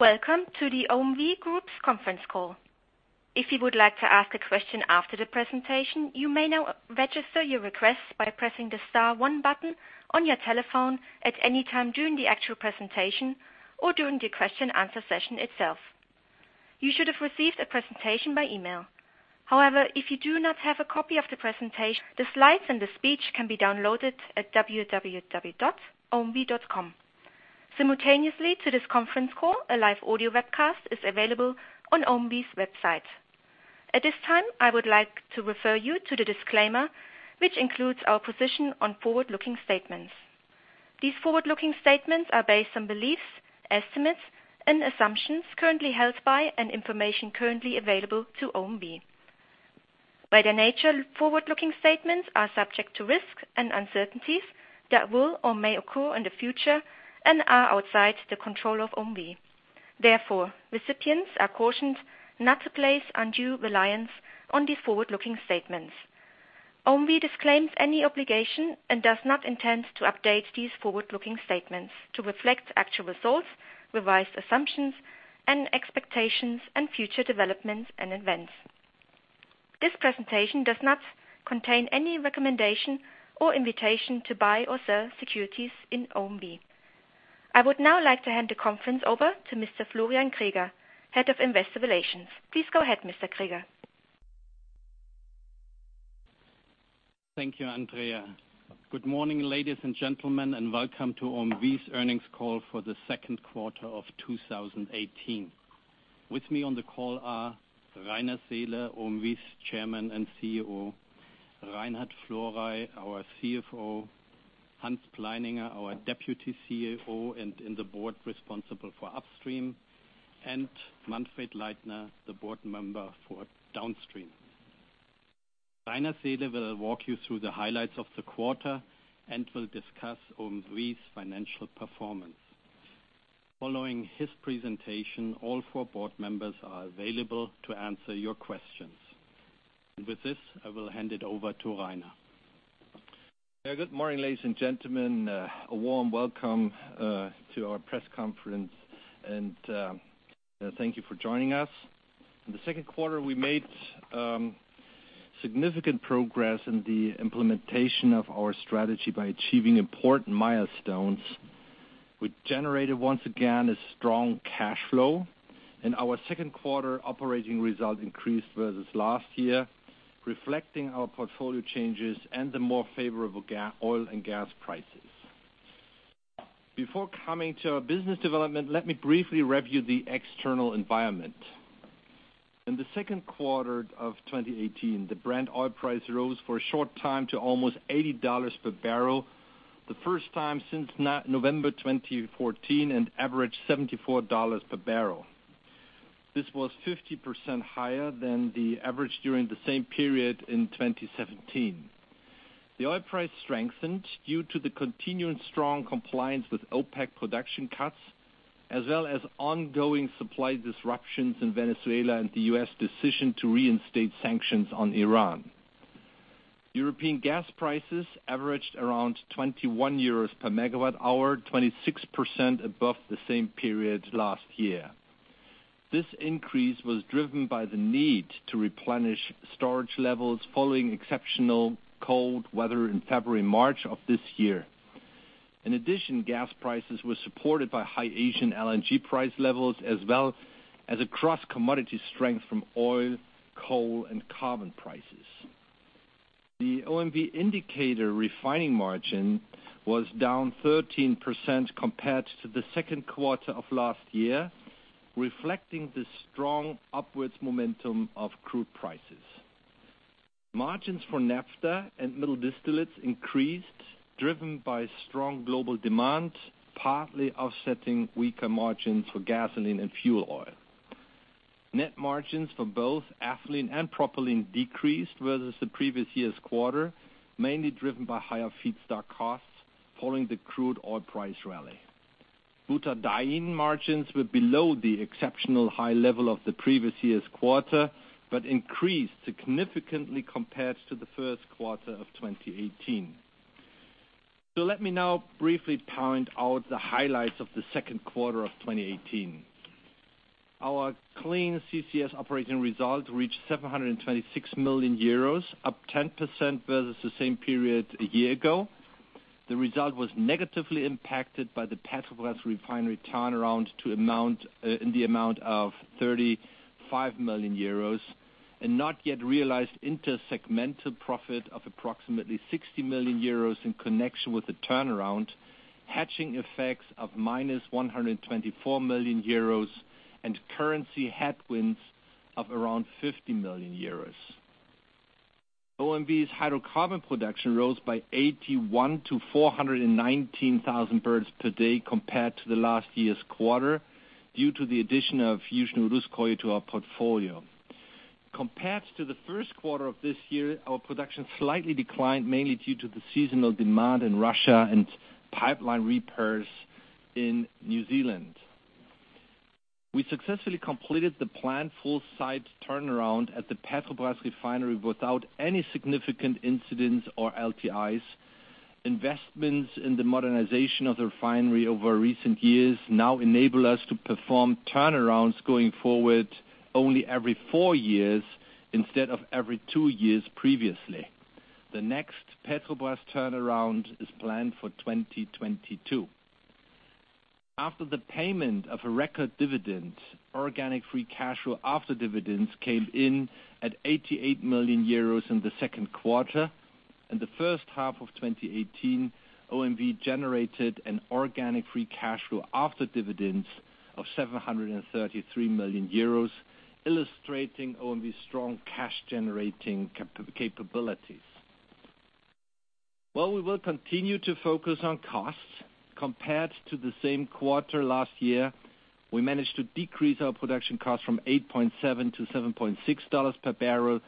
Welcome to the OMV Group's conference call. If you would like to ask a question after the presentation, you may now register your request by pressing the star one button on your telephone at any time during the actual presentation or during the question answer session itself. You should have received a presentation by email. If you do not have a copy of the presentation, the slides and the speech can be downloaded at www.omv.com. Simultaneously to this conference call, a live audio webcast is available on OMV's website. At this time, I would like to refer you to the disclaimer, which includes our position on forward-looking statements. These forward-looking statements are based on beliefs, estimates, and assumptions currently held by, and information currently available to OMV. By their nature, forward-looking statements are subject to risks and uncertainties that will or may occur in the future and are outside the control of OMV. Recipients are cautioned not to place undue reliance on these forward-looking statements. OMV disclaims any obligation and does not intend to update these forward-looking statements to reflect actual results, revised assumptions and expectations, and future developments and events. This presentation does not contain any recommendation or invitation to buy or sell securities in OMV. I would now like to hand the conference over to Mr. Florian Greger, Head of Investor Relations. Please go ahead, Mr. Greger. Thank you, Andrea. Good morning, ladies and gentlemen, welcome to OMV's earnings call for the second quarter of 2018. With me on the call are Rainer Seele, OMV's Chairman and CEO, Reinhard Florey, our CFO, Johann Pleininger, our Deputy CFO and in the board responsible for Upstream, and Manfred Leitner, the board member for Downstream. Rainer Seele will walk you through the highlights of the quarter and will discuss OMV's financial performance. Following his presentation, all four board members are available to answer your questions. With this, I will hand it over to Rainer. Good morning, ladies and gentlemen. A warm welcome to our press conference, thank you for joining us. In the second quarter, we made significant progress in the implementation of our strategy by achieving important milestones. We generated, once again, a strong cash flow, our second quarter operating result increased versus last year, reflecting our portfolio changes and the more favorable oil and gas prices. Before coming to our business development, let me briefly review the external environment. In the second quarter of 2018, the Brent oil price rose for a short time to almost $80 per barrel, the first time since November 2014, and averaged $74 per barrel. This was 50% higher than the average during the same period in 2017. The oil price strengthened due to the continuing strong compliance with OPEC production cuts, as well as ongoing supply disruptions in Venezuela and the U.S. decision to reinstate sanctions on Iran. European gas prices averaged around 21 euros per megawatt hour, 26% above the same period last year. This increase was driven by the need to replenish storage levels following exceptional cold weather in February and March of this year. In addition, gas prices were supported by high Asian LNG price levels, as well as across commodity strength from oil, coal, and carbon prices. The OMV indicator refining margin was down 13% compared to the second quarter of last year, reflecting the strong upwards momentum of crude prices. Margins for naphtha and middle distillates increased, driven by strong global demand, partly offsetting weaker margins for gasoline and fuel oil. Net margins for both ethylene and propylene decreased versus the previous year's quarter, mainly driven by higher feedstock costs following the crude oil price rally. butadiene margins were below the exceptional high level of the previous year's quarter, but increased significantly compared to the first quarter of 2018. Let me now briefly point out the highlights of the second quarter of 2018. Our clean CCS operating result reached 726 million euros, up 10% versus the same period a year ago. The result was negatively impacted by the Petrobrazi refinery turnaround in the amount of 35 million euros, and not yet realized intersegmental profit of approximately 60 million euros in connection with the turnaround, hedging effects of minus 124 million euros, and currency headwinds of around 50 million euros. OMV's hydrocarbon production rose by 81 kboe to 419,000 barrels per day compared to the last year's quarter due to the addition of Yuzhno-Russkoye to our portfolio. Compared to the first quarter of this year, our production slightly declined, mainly due to the seasonal demand in Russia and pipeline repairs in New Zealand. We successfully completed the planned full site turnaround at the Petrobrazi refinery without any significant incidents or LTIs. Investments in the modernization of the refinery over recent years now enable us to perform turnarounds going forward only every four years instead of every two years previously. The next Petrobrazi turnaround is planned for 2022. After the payment of a record dividend, organic free cash flow after dividends came in at 88 million euros in the second quarter. We will continue to focus on costs. Compared to the same quarter last year, we managed to decrease our production cost from 8.7 to $7.6 per barrel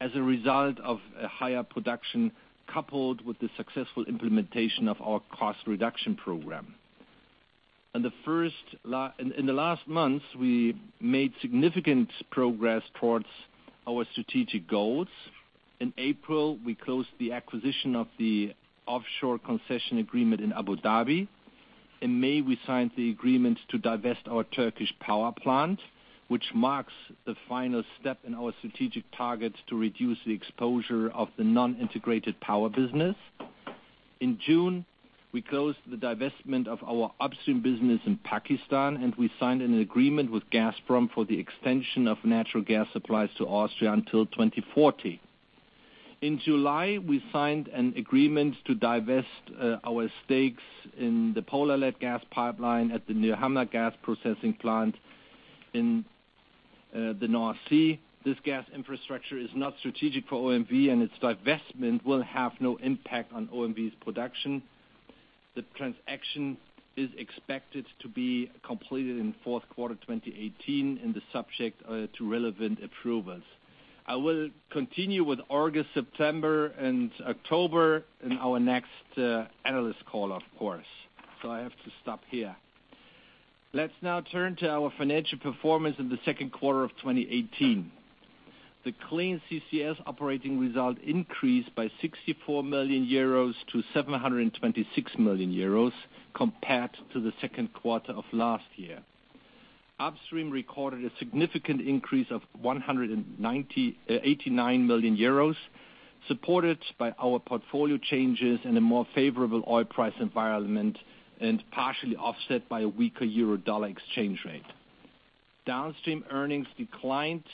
as a result of a higher production coupled with the successful implementation of our cost reduction program. In the last months, we made significant progress towards our strategic goals. In April, we closed the acquisition of the offshore concession agreement in Abu Dhabi. In May, we signed the agreement to divest our Turkish power plant, which marks the final step in our strategic target to reduce the exposure of the non-integrated power business. In June, we closed the divestment of our Upstream business in Pakistan, and we signed an agreement with Gazprom for the extension of natural gas supplies to Austria until 2040. In July, we signed an agreement to divest our stakes in the Polarled gas pipeline at the Nyhamna gas processing plant in the North Sea. This gas infrastructure is not strategic for OMV, and its divestment will have no impact on OMV's production. The transaction is expected to be completed in fourth quarter 2018 and is subject to relevant approvals. I will continue with August, September, and October in our next analyst call, of course. I have to stop here. Let's now turn to our financial performance in the second quarter of 2018. The Clean CCS operating result increased by 64 million euros to 726 million euros compared to the second quarter of last year. Upstream recorded a significant increase of 189 million euros, supported by our portfolio changes in a more favorable oil price environment and partially offset by a weaker euro-dollar exchange rate. Downstream earnings declined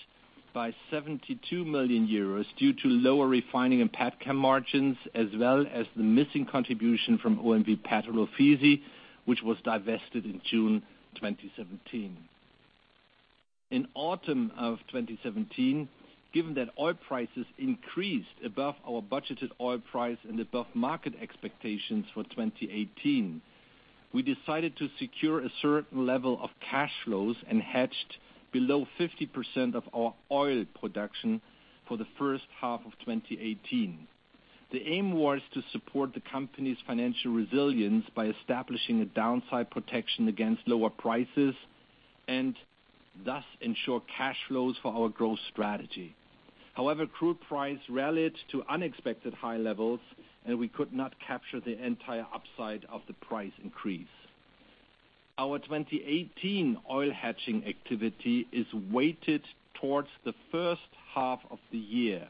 by 72 million euros due to lower refining and petchem margins, as well as the missing contribution from OMV Petrol Ofisi, which was divested in June 2017. In autumn of 2017, given that oil prices increased above our budgeted oil price and above market expectations for 2018, we decided to secure a certain level of cash flows and hedged below 50% of our oil production for the first half of 2018. The aim was to support the company's financial resilience by establishing a downside protection against lower prices and thus ensure cash flows for our growth strategy. Crude price rallied to unexpected high levels, and we could not capture the entire upside of the price increase. Our 2018 oil hedging activity is weighted towards the first half of the year.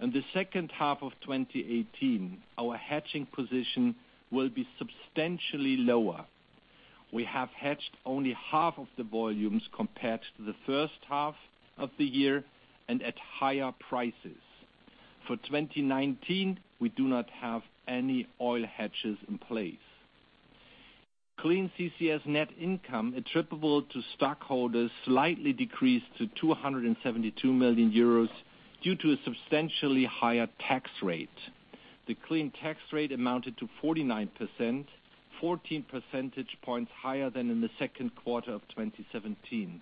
In the second half of 2018, our hedging position will be substantially lower. We have hedged only half of the volumes compared to the first half of the year and at higher prices. For 2019, we do not have any oil hedges in place. Clean CCS net income attributable to stockholders slightly decreased to 272 million euros due to a substantially higher tax rate. The clean tax rate amounted to 49%, 14 percentage points higher than in the second quarter of 2017.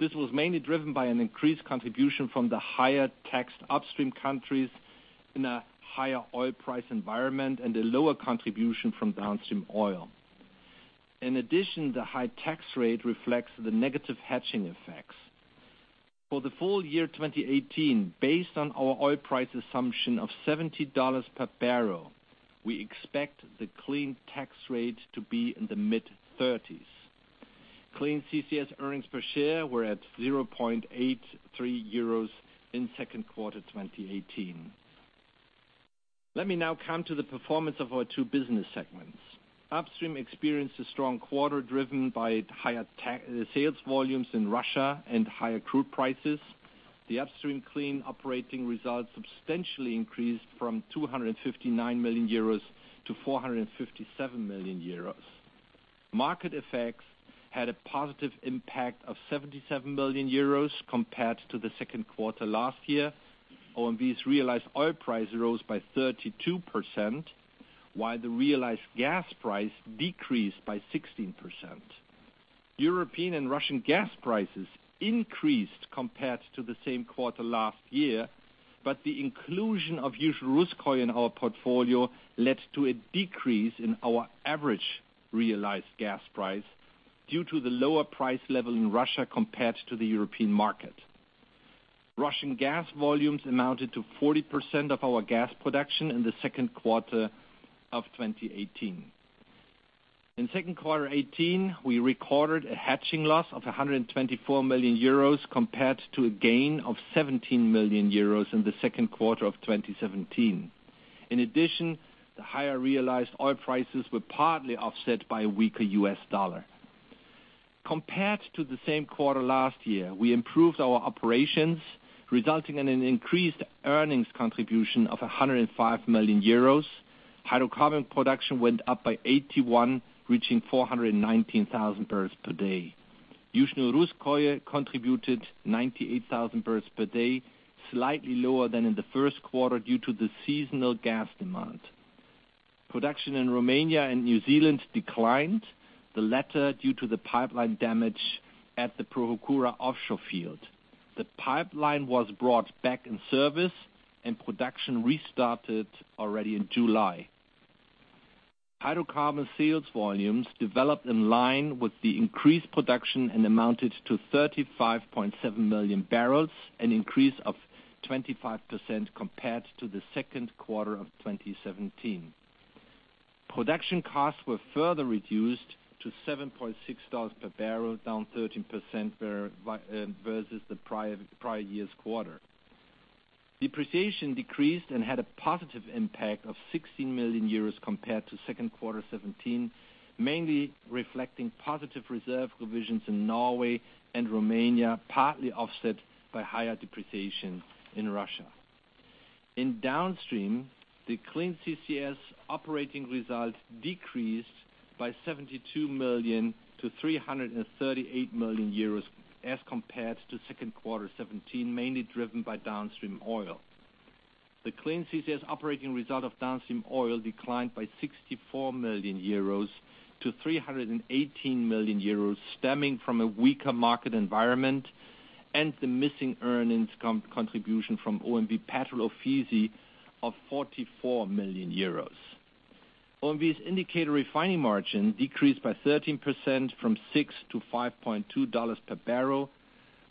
This was mainly driven by an increased contribution from the higher taxed Upstream countries in a higher oil price environment and a lower contribution from Downstream oil. In addition, the high tax rate reflects the negative hedging effects. For the full year 2018, based on our oil price assumption of $70 per barrel, we expect the clean tax rate to be in the mid-30s. Clean CCS earnings per share were at 0.83 euros in second quarter 2018. Let me now come to the performance of our two business segments. Upstream experienced a strong quarter driven by higher sales volumes in Russia and higher crude prices. The Upstream clean operating results substantially increased from 259 million euros to 457 million euros. Market effects had a positive impact of 77 million euros compared to the second quarter last year. OMV's realized oil price rose by 32%, while the realized gas price decreased by 16%. European and Russian gas prices increased compared to the same quarter last year, but the inclusion of Yuzhno-Russkoye in our portfolio led to a decrease in our average realized gas price due to the lower price level in Russia compared to the European market. Russian gas volumes amounted to 40% of our gas production in the second quarter of 2018. In second quarter 18, we recorded a hedging loss of 124 million euros compared to a gain of 17 million euros in the second quarter of 2017. In addition, the higher realized oil prices were partly offset by a weaker U.S. dollar. Compared to the same quarter last year, we improved our operations, resulting in an increased earnings contribution of 105 million euros. Hydrocarbon production went up by 81, reaching 419,000 barrels per day. Yuzhno-Russkoye contributed 98,000 barrels per day, slightly lower than in the first quarter due to the seasonal gas demand. Production in Romania and New Zealand declined, the latter due to the pipeline damage at the Pohokura offshore field. The pipeline was brought back in service and production restarted already in July. Hydrocarbon sales volumes developed in line with the increased production and amounted to 35.7 million barrels, an increase of 25% compared to the second quarter of 2017. Production costs were further reduced to $7.6 per barrel, down 13% versus the prior year's quarter. Depreciation decreased and had a positive impact of 16 million euros compared to second quarter 17, mainly reflecting positive reserve revisions in Norway and Romania, partly offset by higher depreciation in Russia. In Downstream, the Clean CCS Operating Result decreased by 72 million to 338 million euros as compared to second quarter 17, mainly driven by Downstream Oil. The Clean CCS Operating Result of Downstream Oil declined by 64 million euros to 318 million euros, stemming from a weaker market environment and the missing earnings contribution from OMV Petrol Ofisi of 44 million euros. OMV's indicator refining margin decreased by 13%, from $6 to $5.2 per barrel.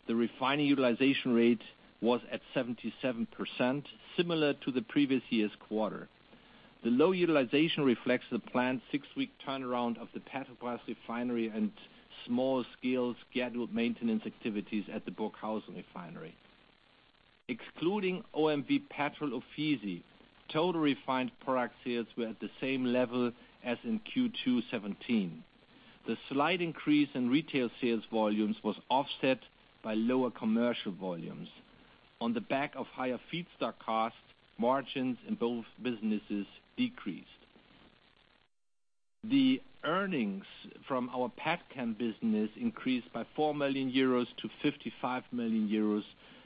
The refining utilization rate was at 77%, similar to the previous year's quarter. The low utilization reflects the planned six-week turnaround of the Petrobrazi refinery and small-scale scheduled maintenance activities at the Burghausen refinery. Excluding OMV Petrol Ofisi, total refined product sales were at the same level as in Q2 17. The slight increase in retail sales volumes was offset by lower commercial volumes. On the back of higher feedstock costs, margins in both businesses decreased. The earnings from our petchem business increased by 4 million euros to 55 million euros,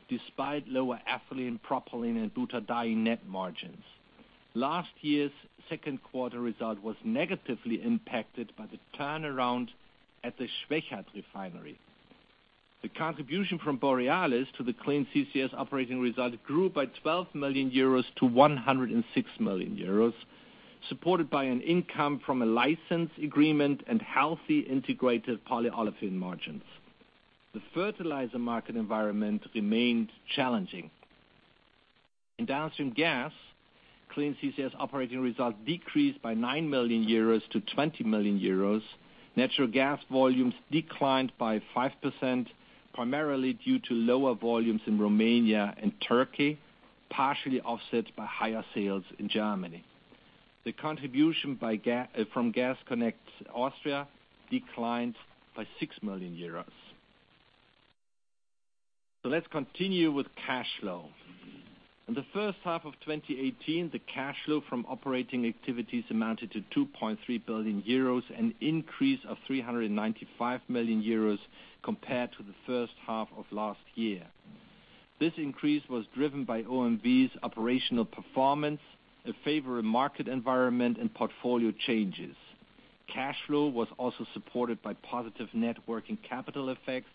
despite lower ethylene, propylene, and butadiene net margins. Last year's second quarter result was negatively impacted by the turnaround at the Schwechat refinery. The contribution from Borealis to the Clean CCS Operating Result grew by 12 million euros to 106 million euros, supported by an income from a license agreement and healthy integrated polyolefin margins. The fertilizer market environment remained challenging. In Downstream Gas, Clean CCS Operating Results decreased by 9 million euros to 20 million euros. Natural gas volumes declined by 5%, primarily due to lower volumes in Romania and Turkey, partially offset by higher sales in Germany. The contribution from Gas Connect Austria declined by 6 million euros. Let's continue with cash flow. In the first half of 2018, the cash flow from operating activities amounted to 2.3 billion euros, an increase of 395 million euros compared to the first half of last year. This increase was driven by OMV's operational performance, a favorable market environment, and portfolio changes. Cash flow was also supported by positive net working capital effects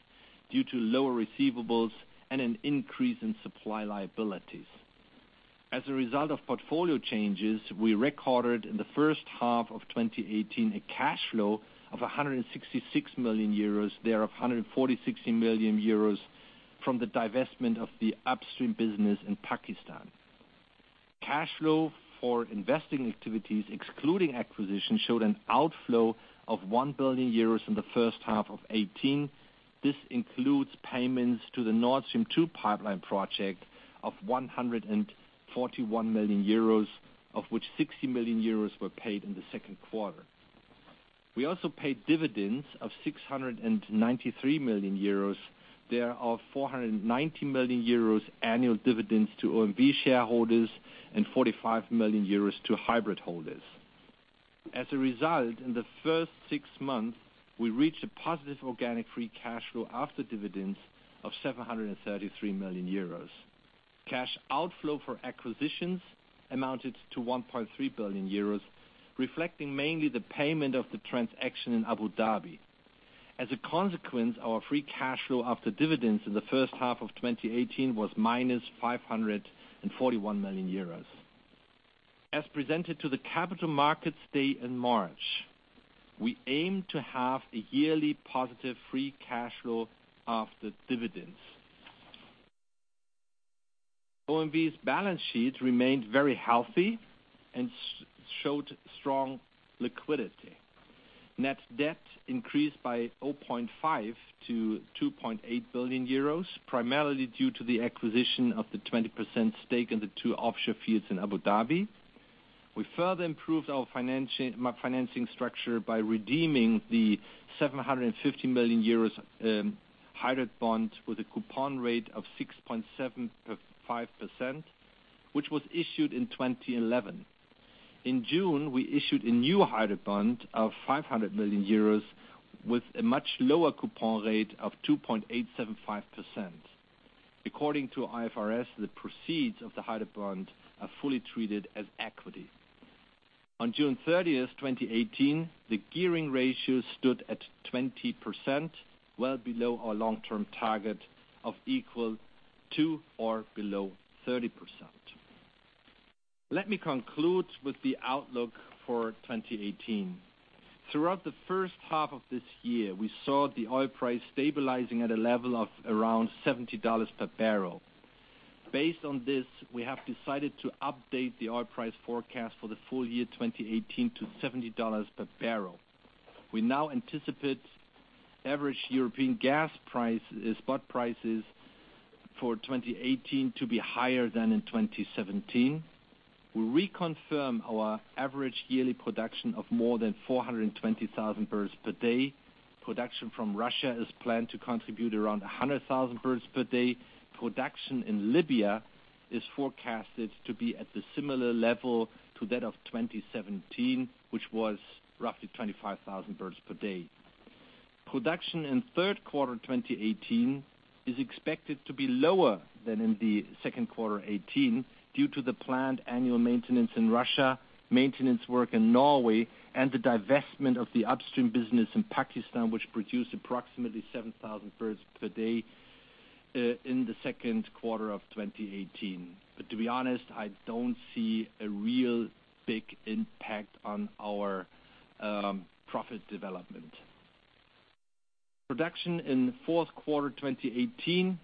due to lower receivables and an increase in supply liabilities. As a result of portfolio changes, we recorded in the first half of 2018 a cash flow of 166 million euros, thereof 146 million euros from the divestment of the upstream business in Pakistan. Cash flow for investing activities, excluding acquisition, showed an outflow of 1 billion euros in the first half of 2018. This includes payments to the Nord Stream 2 pipeline project of 141 million euros, of which 60 million euros were paid in the second quarter. We also paid dividends of 693 million euros, thereof 490 million euros annual dividends to OMV shareholders and 45 million euros to hybrid holders. As a result, in the first six months, we reached a positive organic free cash flow after dividends of 733 million euros. Cash outflow for acquisitions amounted to 1.3 billion euros, reflecting mainly the payment of the transaction in Abu Dhabi. As a consequence, our free cash flow after dividends in the first half of 2018 was minus 541 million euros. As presented to the capital markets day in March, we aim to have a yearly positive free cash flow after dividends. OMV's balance sheet remained very healthy and showed strong liquidity. Net debt increased by 0.5 billion to 2.8 billion euros, primarily due to the acquisition of the 20% stake in the two offshore fields in Abu Dhabi. We further improved our financing structure by redeeming the 750 million euros hybrid bond with a coupon rate of 6.75%, which was issued in 2011. In June, we issued a new hybrid bond of 500 million euros with a much lower coupon rate of 2.875%. According to IFRS, the proceeds of the hybrid bond are fully treated as equity. On June 30th, 2018, the gearing ratio stood at 20%, well below our long-term target of equal to or below 30%. Let me conclude with the outlook for 2018. Throughout the first half of this year, we saw the oil price stabilizing at a level of around $70 per barrel. Based on this, we have decided to update the oil price forecast for the full year 2018 to $70 per barrel. We now anticipate average European gas spot prices for 2018 to be higher than in 2017. We reconfirm our average yearly production of more than 420,000 barrels per day. Production from Russia is planned to contribute around 100,000 barrels per day. Production in Libya is forecasted to be at the similar level to that of 2017, which was roughly 25,000 barrels per day. Production in third quarter 2018 is expected to be lower than in the second quarter 2018, due to the planned annual maintenance in Russia, maintenance work in Norway, and the divestment of the upstream business in Pakistan, which produced approximately 7,000 barrels per day in the second quarter of 2018. To be honest, I don't see a real big impact on our profit development. Production in fourth quarter 2018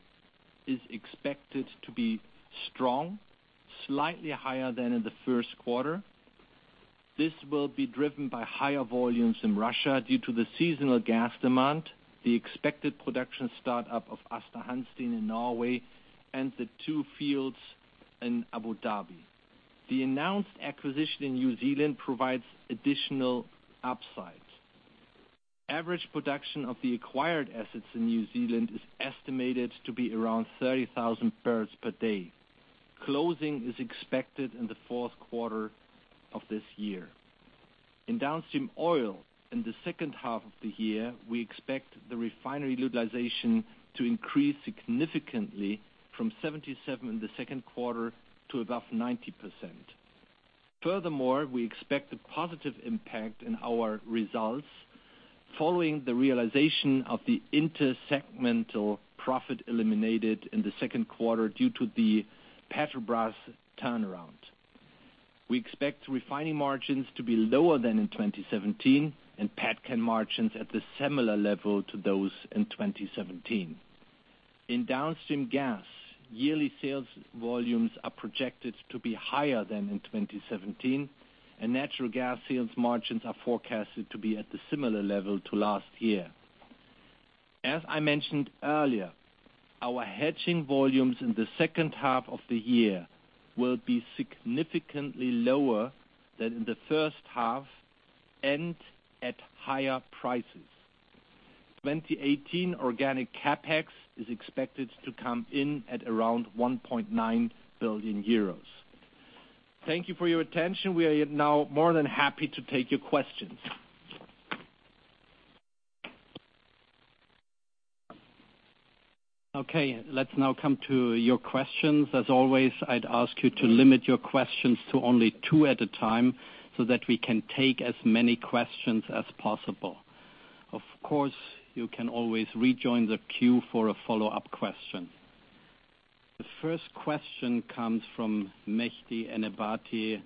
is expected to be strong, slightly higher than in the first quarter. This will be driven by higher volumes in Russia due to the seasonal gas demand, the expected production start-up of Aasta Hansteen in Norway, and the two fields in Abu Dhabi. The announced acquisition in New Zealand provides additional upsides. Average production of the acquired assets in New Zealand is estimated to be around 30,000 barrels per day. Closing is expected in the fourth quarter of this year. In downstream oil, in the second half of the year, we expect the refinery utilization to increase significantly from 77% in the second quarter to above 90%. Furthermore, we expect a positive impact in our results following the realization of the intersegmental profit eliminated in the second quarter due to the Petrobrazi turnaround. We expect refining margins to be lower than in 2017 and petchem margins at the similar level to those in 2017. In downstream gas, yearly sales volumes are projected to be higher than in 2017, and natural gas sales margins are forecasted to be at the similar level to last year. As I mentioned earlier, our hedging volumes in the second half of the year will be significantly lower than in the first half and at higher prices. 2018 organic CapEx is expected to come in at around 1.9 billion euros. Thank you for your attention. We are now more than happy to take your questions. Let's now come to your questions. As always, I'd ask you to limit your questions to only two at a time so that we can take as many questions as possible. Of course, you can always rejoin the queue for a follow-up question. The first question comes from Mehdi Ennebati,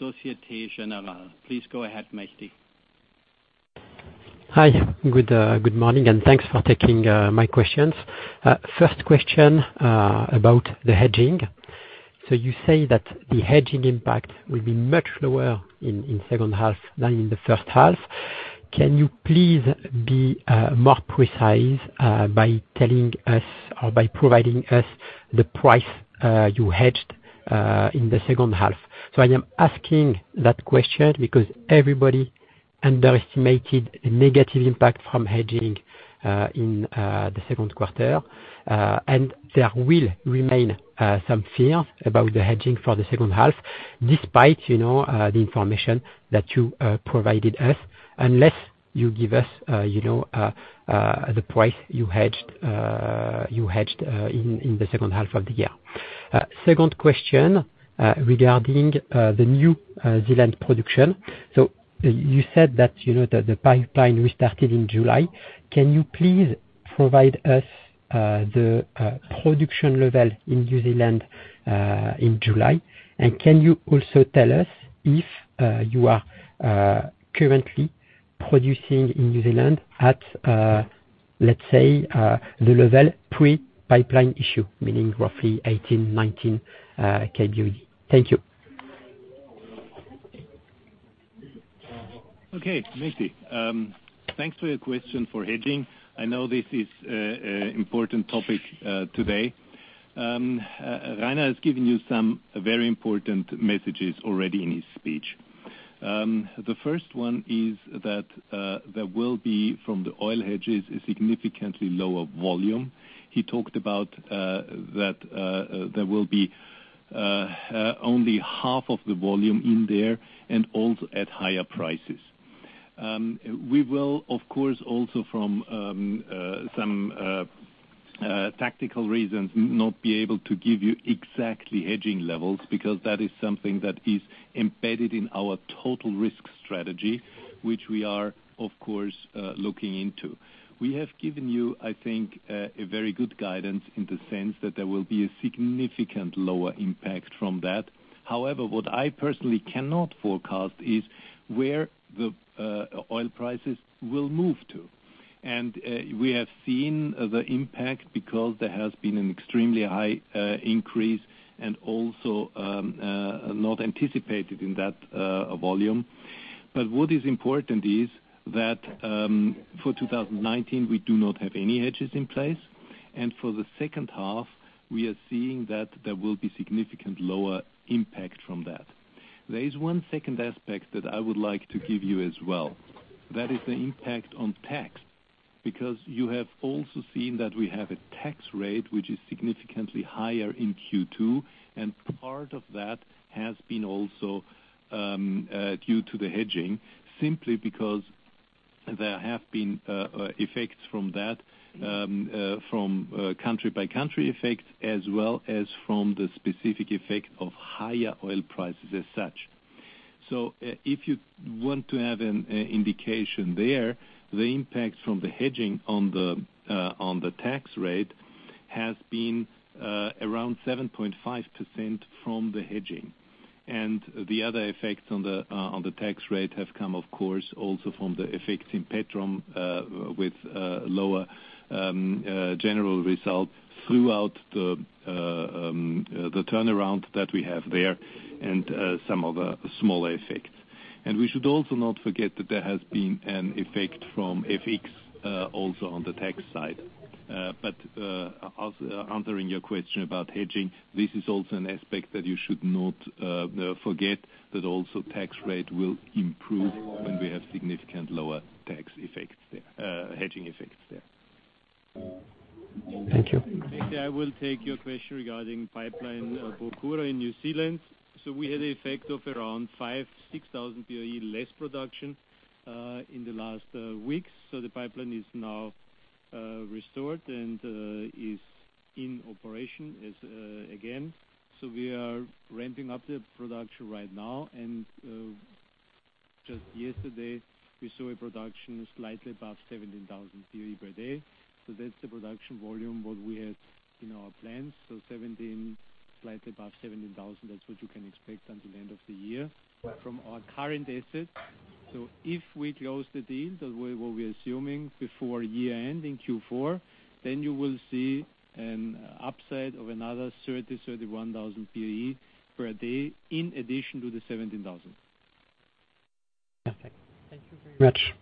Societe Generale. Please go ahead, Mehdi. Hi. Good morning, thanks for taking my questions. First question about the hedging. You say that the hedging impact will be much lower in second half than in the first half. Can you please be more precise by telling us or by providing us the price you hedged in the second half? I am asking that question because everybody underestimated a negative impact from hedging in the second quarter. There will remain some fear about the hedging for the second half despite the information that you provided us, unless you give us the price you hedged in the second half of the year. Second question regarding the New Zealand production. You said that the pipeline restarted in July. Can you please provide us the production level in New Zealand in July, and can you also tell us if you are currently producing in New Zealand at, let's say, the level pre-pipeline issue, meaning roughly 18, 19 kboe? Thank you. Okay, Mehdi. Thanks for your question for hedging. I know this is an important topic today. Rainer has given you some very important messages already in his speech. The first one is that there will be, from the oil hedges, a significantly lower volume. He talked about that there will be only half of the volume in there and also at higher prices. We will, of course, also from some tactical reasons, not be able to give you exactly hedging levels because that is something that is embedded in our total risk strategy, which we are, of course, looking into. We have given you, I think, a very good guidance in the sense that there will be a significant lower impact from that. However, what I personally cannot forecast is where the oil prices will move to. We have seen the impact because there has been an extremely high increase and also not anticipated in that volume. What is important is that for 2019, we do not have any hedges in place. For the second half, we are seeing that there will be significant lower impact from that. There is one second aspect that I would like to give you as well. That is the impact on tax, because you have also seen that we have a tax rate, which is significantly higher in Q2, and part of that has been also due to the hedging, simply because there have been effects from that, from country by country effects, as well as from the specific effect of higher oil prices as such. If you want to have an indication there, the impact from the hedging on the tax rate has been around 7.5% from the hedging. The other effects on the tax rate have come, of course, also from the effects in Petrom, with lower general results throughout the turnaround that we have there and some other small effects. We should also not forget that there has been an effect from FX also on the tax side. Answering your question about hedging, this is also an aspect that you should not forget, that also tax rate will improve when we have significant lower hedging effects there. Thank you. Mehdi, I will take your question regarding pipeline Pohokura in New Zealand. We had an effect of around 5,000-6,000 boe less production in the last weeks. The pipeline is now restored and is in operation again. We are ramping up the production right now, and just yesterday, we saw a production slightly above 17,000 boe per day. That's the production volume, what we have in our plans. Slightly above 17,000, that's what you can expect until the end of the year from our current assets. If we close the deal, that what we are assuming before year-end in Q4, then you will see an upside of another 30,000-31,000 boe per day in addition to the 17,000. Perfect. Thank you very much.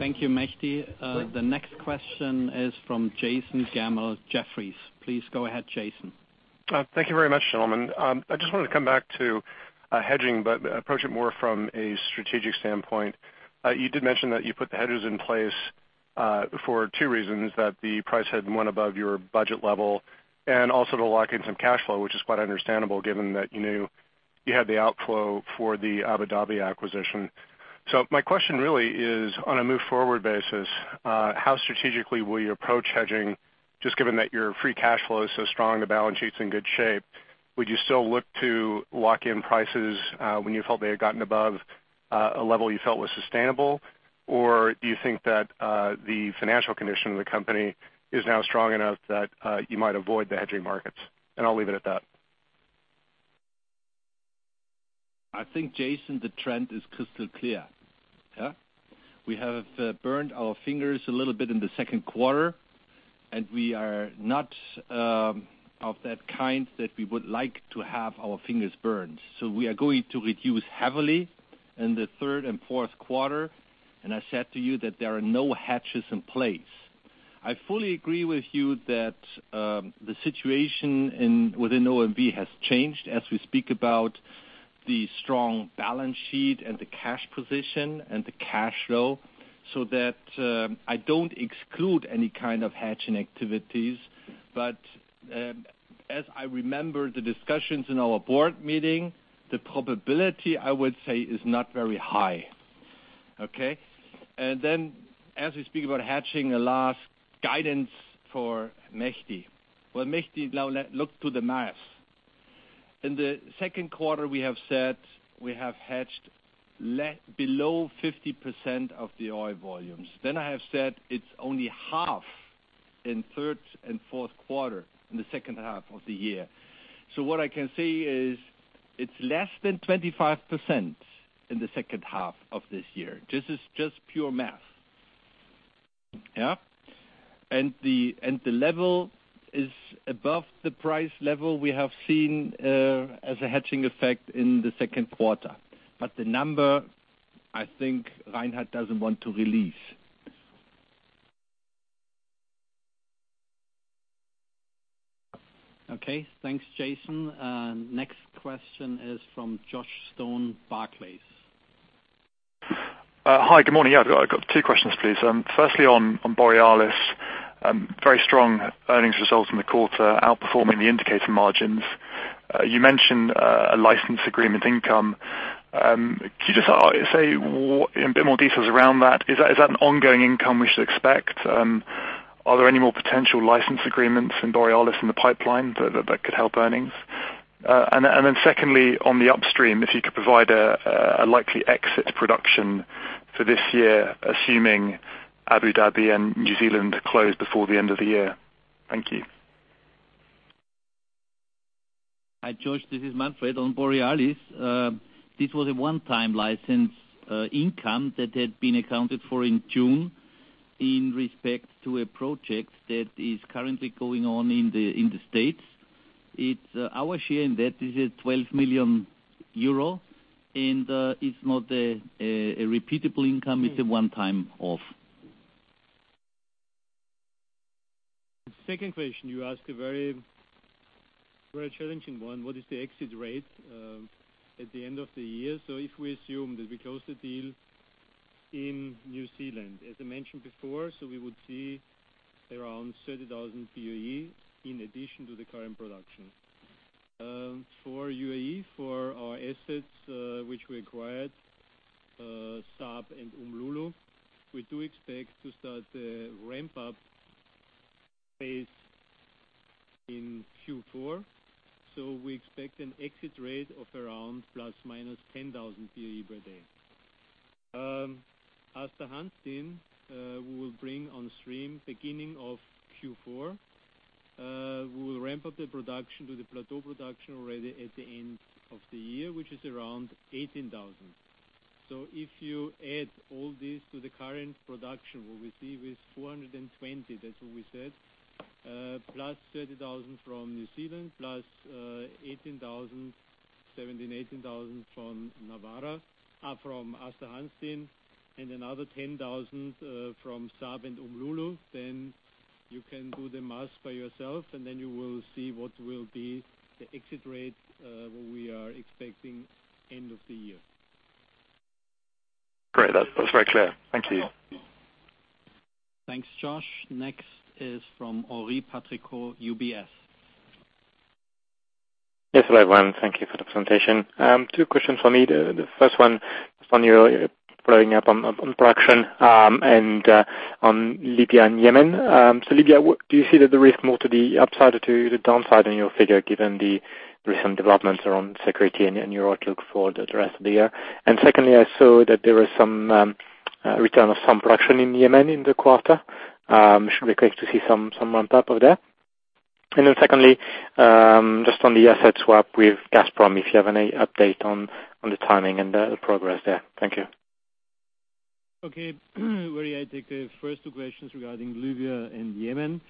Thank you, Mehdi. The next question is from Jason Gammel, Jefferies. Please go ahead, Jason. Thank you very much, gentlemen. I just wanted to come back to hedging approach it more from a strategic standpoint. You did mention that you put the hedges in place for two reasons, that the price had went above your budget level and also to lock in some cash flow, which is quite understandable given that you knew you had the outflow for the Abu Dhabi acquisition. My question really is, on a move forward basis, how strategically will you approach hedging, just given that your free cash flow is so strong, the balance sheet's in good shape. Would you still look to lock in prices when you felt they had gotten above a level you felt was sustainable? Or do you think that the financial condition of the company is now strong enough that you might avoid the hedging markets? I'll leave it at that. I think, Jason, the trend is crystal clear. We have burned our fingers a little bit in the second quarter, and we are not of that kind that we would like to have our fingers burned. We are going to reduce heavily in the third and fourth quarter, and I said to you that there are no hedges in place. I fully agree with you that the situation within OMV has changed as we speak about the strong balance sheet and the cash position and the cash flow, so that I don't exclude any kind of hedging activities. As I remember the discussions in our board meeting, the probability, I would say, is not very high. Okay? As we speak about hedging, a last guidance for Mehdi. Well, Mehdi, now look to the math. In the second quarter, we have said we have hedged below 50% of the oil volumes. Then I have said it's only half in third and fourth quarter, in the second half of the year. What I can say is it's less than 25% in the second half of this year. This is just pure math. Yeah. The level is above the price level we have seen as a hedging effect in the second quarter. But the number, I think Reinhard doesn't want to release. Okay. Thanks, Jason. Next question is from Joshua Stone, Barclays. Hi, good morning. I've got two questions, please. Firstly, on Borealis. Very strong earnings results in the quarter, outperforming the indicator margins. You mentioned a license agreement income. Could you just say a bit more details around that? Is that an ongoing income we should expect? Are there any more potential license agreements in Borealis in the pipeline that could help earnings? Secondly, on the Upstream, if you could provide a likely exit production for this year, assuming Abu Dhabi and New Zealand close before the end of the year. Thank you. Hi, Josh, this is Manfred. On Borealis, this was a one-time license income that had been accounted for in June in respect to a project that is currently going on in the U.S. Our share in that is 12 million euro, and it's not a repeatable income. It's a one-time off. The second question, you ask a very challenging one. What is the exit rate at the end of the year? If we assume that we close the deal in New Zealand, as I mentioned before, we would see around 30,000 BOE in addition to the current production. For UAE, for our assets which we acquired, SARB and Umm Lulu, we do expect to start a ramp-up phase in Q4. We expect an exit rate of around plus minus 10,000 BOE per day. Aasta Hansteen, we will bring on stream beginning of Q4. We will ramp up the production to the plateau production already at the end of the year, which is around 18,000. If you add all this to the current production, what we see with 420, that's what we said, plus 30,000 from New Zealand, plus 18,000, 17,000, 18,000 from Aasta Hansteen, and another 10,000 from SARB and Umm Lulu. You can do the math by yourself, and you will see what will be the exit rate, what we are expecting end of the year. Great. That's very clear. Thank you. Thanks, Josh. Next is from Henri Patricot, UBS. Yes, hello, everyone. Thank you for the presentation. Two questions from me. The first one on your following up on production, and on Libya and Yemen. Libya, do you see that the risk more to the upside or to the downside in your figure, given the recent developments around security and your outlook for the rest of the year? Secondly, I saw that there was some return of some production in Yemen in the quarter. Should we expect to see some ramp-up of that? Secondly, just on the asset swap with Gazprom, if you have any update on the timing and the progress there. Thank you. Okay. Henri, I take the first two questions regarding Libya and Yemen.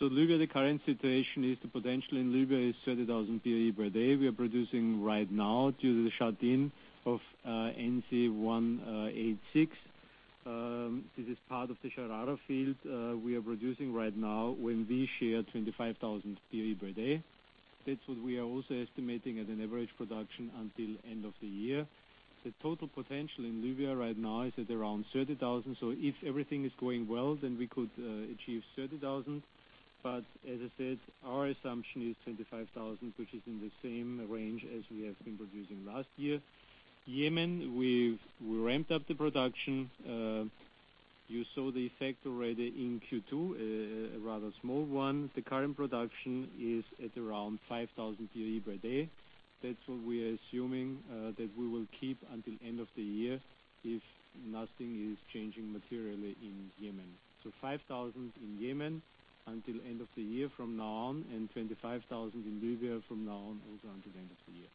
Libya, the current situation is the potential in Libya is 30,000 BOE per day. We are producing right now due to the shut-in of NC 186. This is part of the Sharara field we are producing right now, when we share 25,000 BOE per day. That's what we are also estimating at an average production until end of the year. The total potential in Libya right now is at around 30,000. If everything is going well, then we could achieve 30,000. As I said, our assumption is 25,000, which is in the same range as we have been producing last year. Yemen, we ramped up the production. You saw the effect already in Q2, a rather small one. The current production is at around 5,000 BOE per day. That's what we are assuming that we will keep until end of the year if nothing is changing materially in Yemen. 5,000 in Yemen until end of the year from now on, 25,000 in Libya from now on, also until end of the year.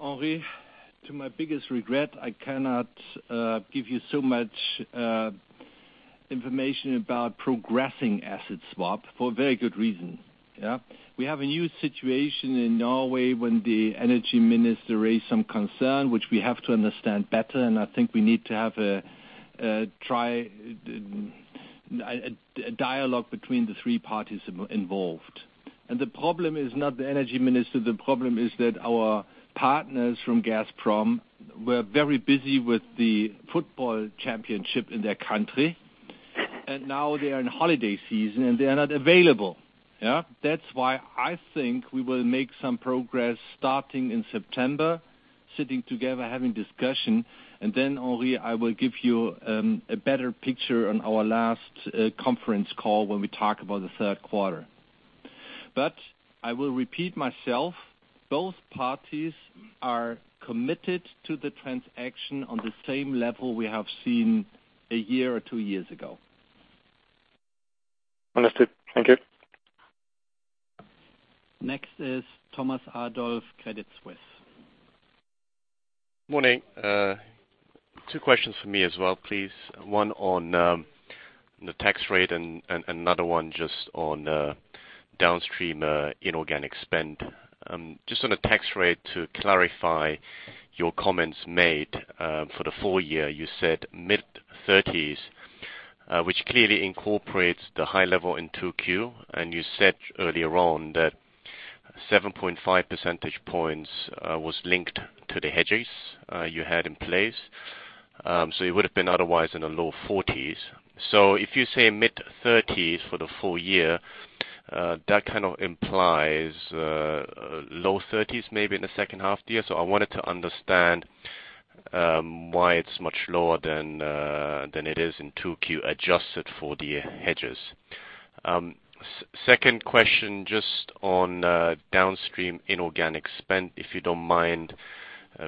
Henri, to my biggest regret, I cannot give you so much information about progressing asset swap for a very good reason. Yeah. We have a new situation in Norway when the energy minister raised some concern, which we have to understand better, and I think we need to have a dialogue between the three parties involved. The problem is not the energy minister. The problem is that our partners from Gazprom were very busy with the football championship in their country. Now they are in holiday season, and they are not available. Yeah. That's why I think we will make some progress starting in September. Sitting together having discussion, then Henri, I will give you a better picture on our last conference call when we talk about the third quarter. I will repeat myself, both parties are committed to the transaction on the same level we have seen a year or two years ago. Understood. Thank you. Next is Thomas Adolff, Credit Suisse. Morning. Two questions from me as well, please. One on the tax rate and another one just on Downstream inorganic spend. Just on the tax rate to clarify your comments made for the full year, you said mid-30s, which clearly incorporates the high level in Q2, and you said earlier on that 7.5 percentage points was linked to the hedges you had in place. It would have been otherwise in the low 40s. If you say mid-30s for the full year, that kind of implies low 30s maybe in the second half year. I wanted to understand why it's much lower than it is in Q2 adjusted for the hedges. Second question, just on Downstream inorganic spend, if you don't mind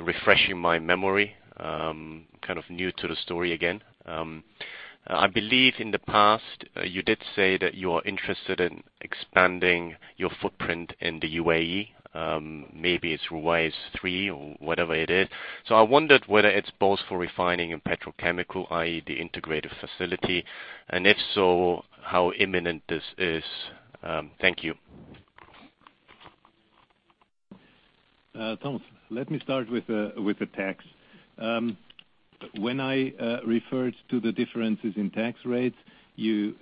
refreshing my memory, kind of new to the story again. I believe in the past you did say that you are interested in expanding your footprint in the U.A.E., maybe through Ruwais or whatever it is. I wondered whether it's both for refining and petrochemical, i.e., the integrated facility, and if so, how imminent this is. Thank you. Thomas, let me start with the tax. When I referred to the differences in tax rates, you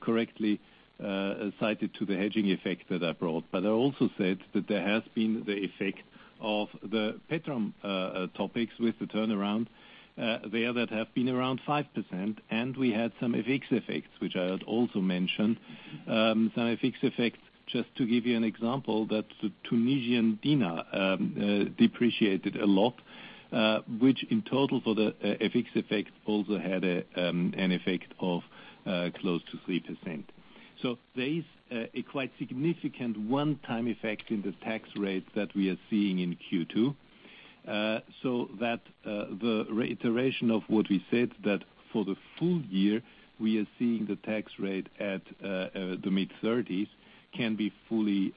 correctly cited to the hedging effect that I brought, but I also said that there has been the effect of the Petrobrazi with the turnaround there that have been around 5%, and we had some FX effects, which I had also mentioned. Some FX effects, just to give you an example, that the Tunisian dinar depreciated a lot, which in total for the FX effect also had an effect of close to 3%. There is a quite significant one-time effect in the tax rate that we are seeing in Q2. The reiteration of what we said, that for the full year, we are seeing the tax rate at the mid-30s can be fully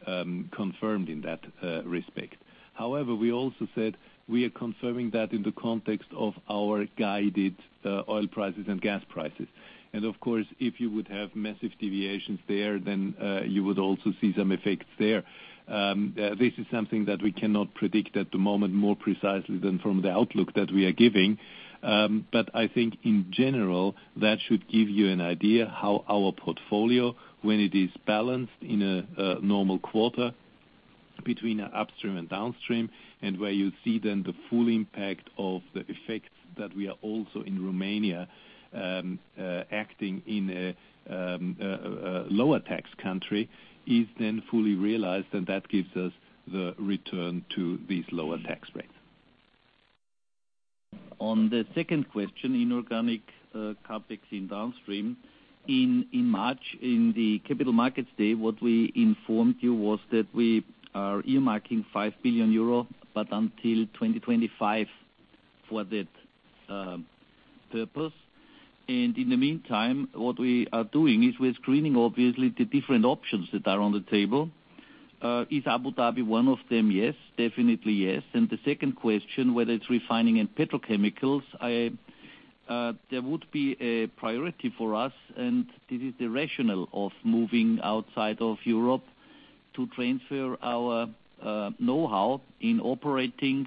confirmed in that respect. However, we also said we are confirming that in the context of our guided oil prices and gas prices. Of course, if you would have massive deviations there, then you would also see some effects there. This is something that we cannot predict at the moment more precisely than from the outlook that we are giving. I think in general, that should give you an idea how our portfolio, when it is balanced in a normal quarter between Upstream and Downstream, and where you see then the full impact of the effects that we are also in Romania, acting in a lower tax country, is then fully realized, and that gives us the return to these lower tax rates. On the second question, inorganic CapEx in Downstream. In March, in the capital markets day, what we informed you was that we are earmarking 5 billion euro until 2025 for that purpose. In the meantime, what we are doing is we are screening, obviously, the different options that are on the table. Is Abu Dhabi one of them? Yes, definitely yes. The second question, whether it's refining and petrochemicals, there would be a priority for us, and this is the rationale of moving outside of Europe to transfer our knowhow in operating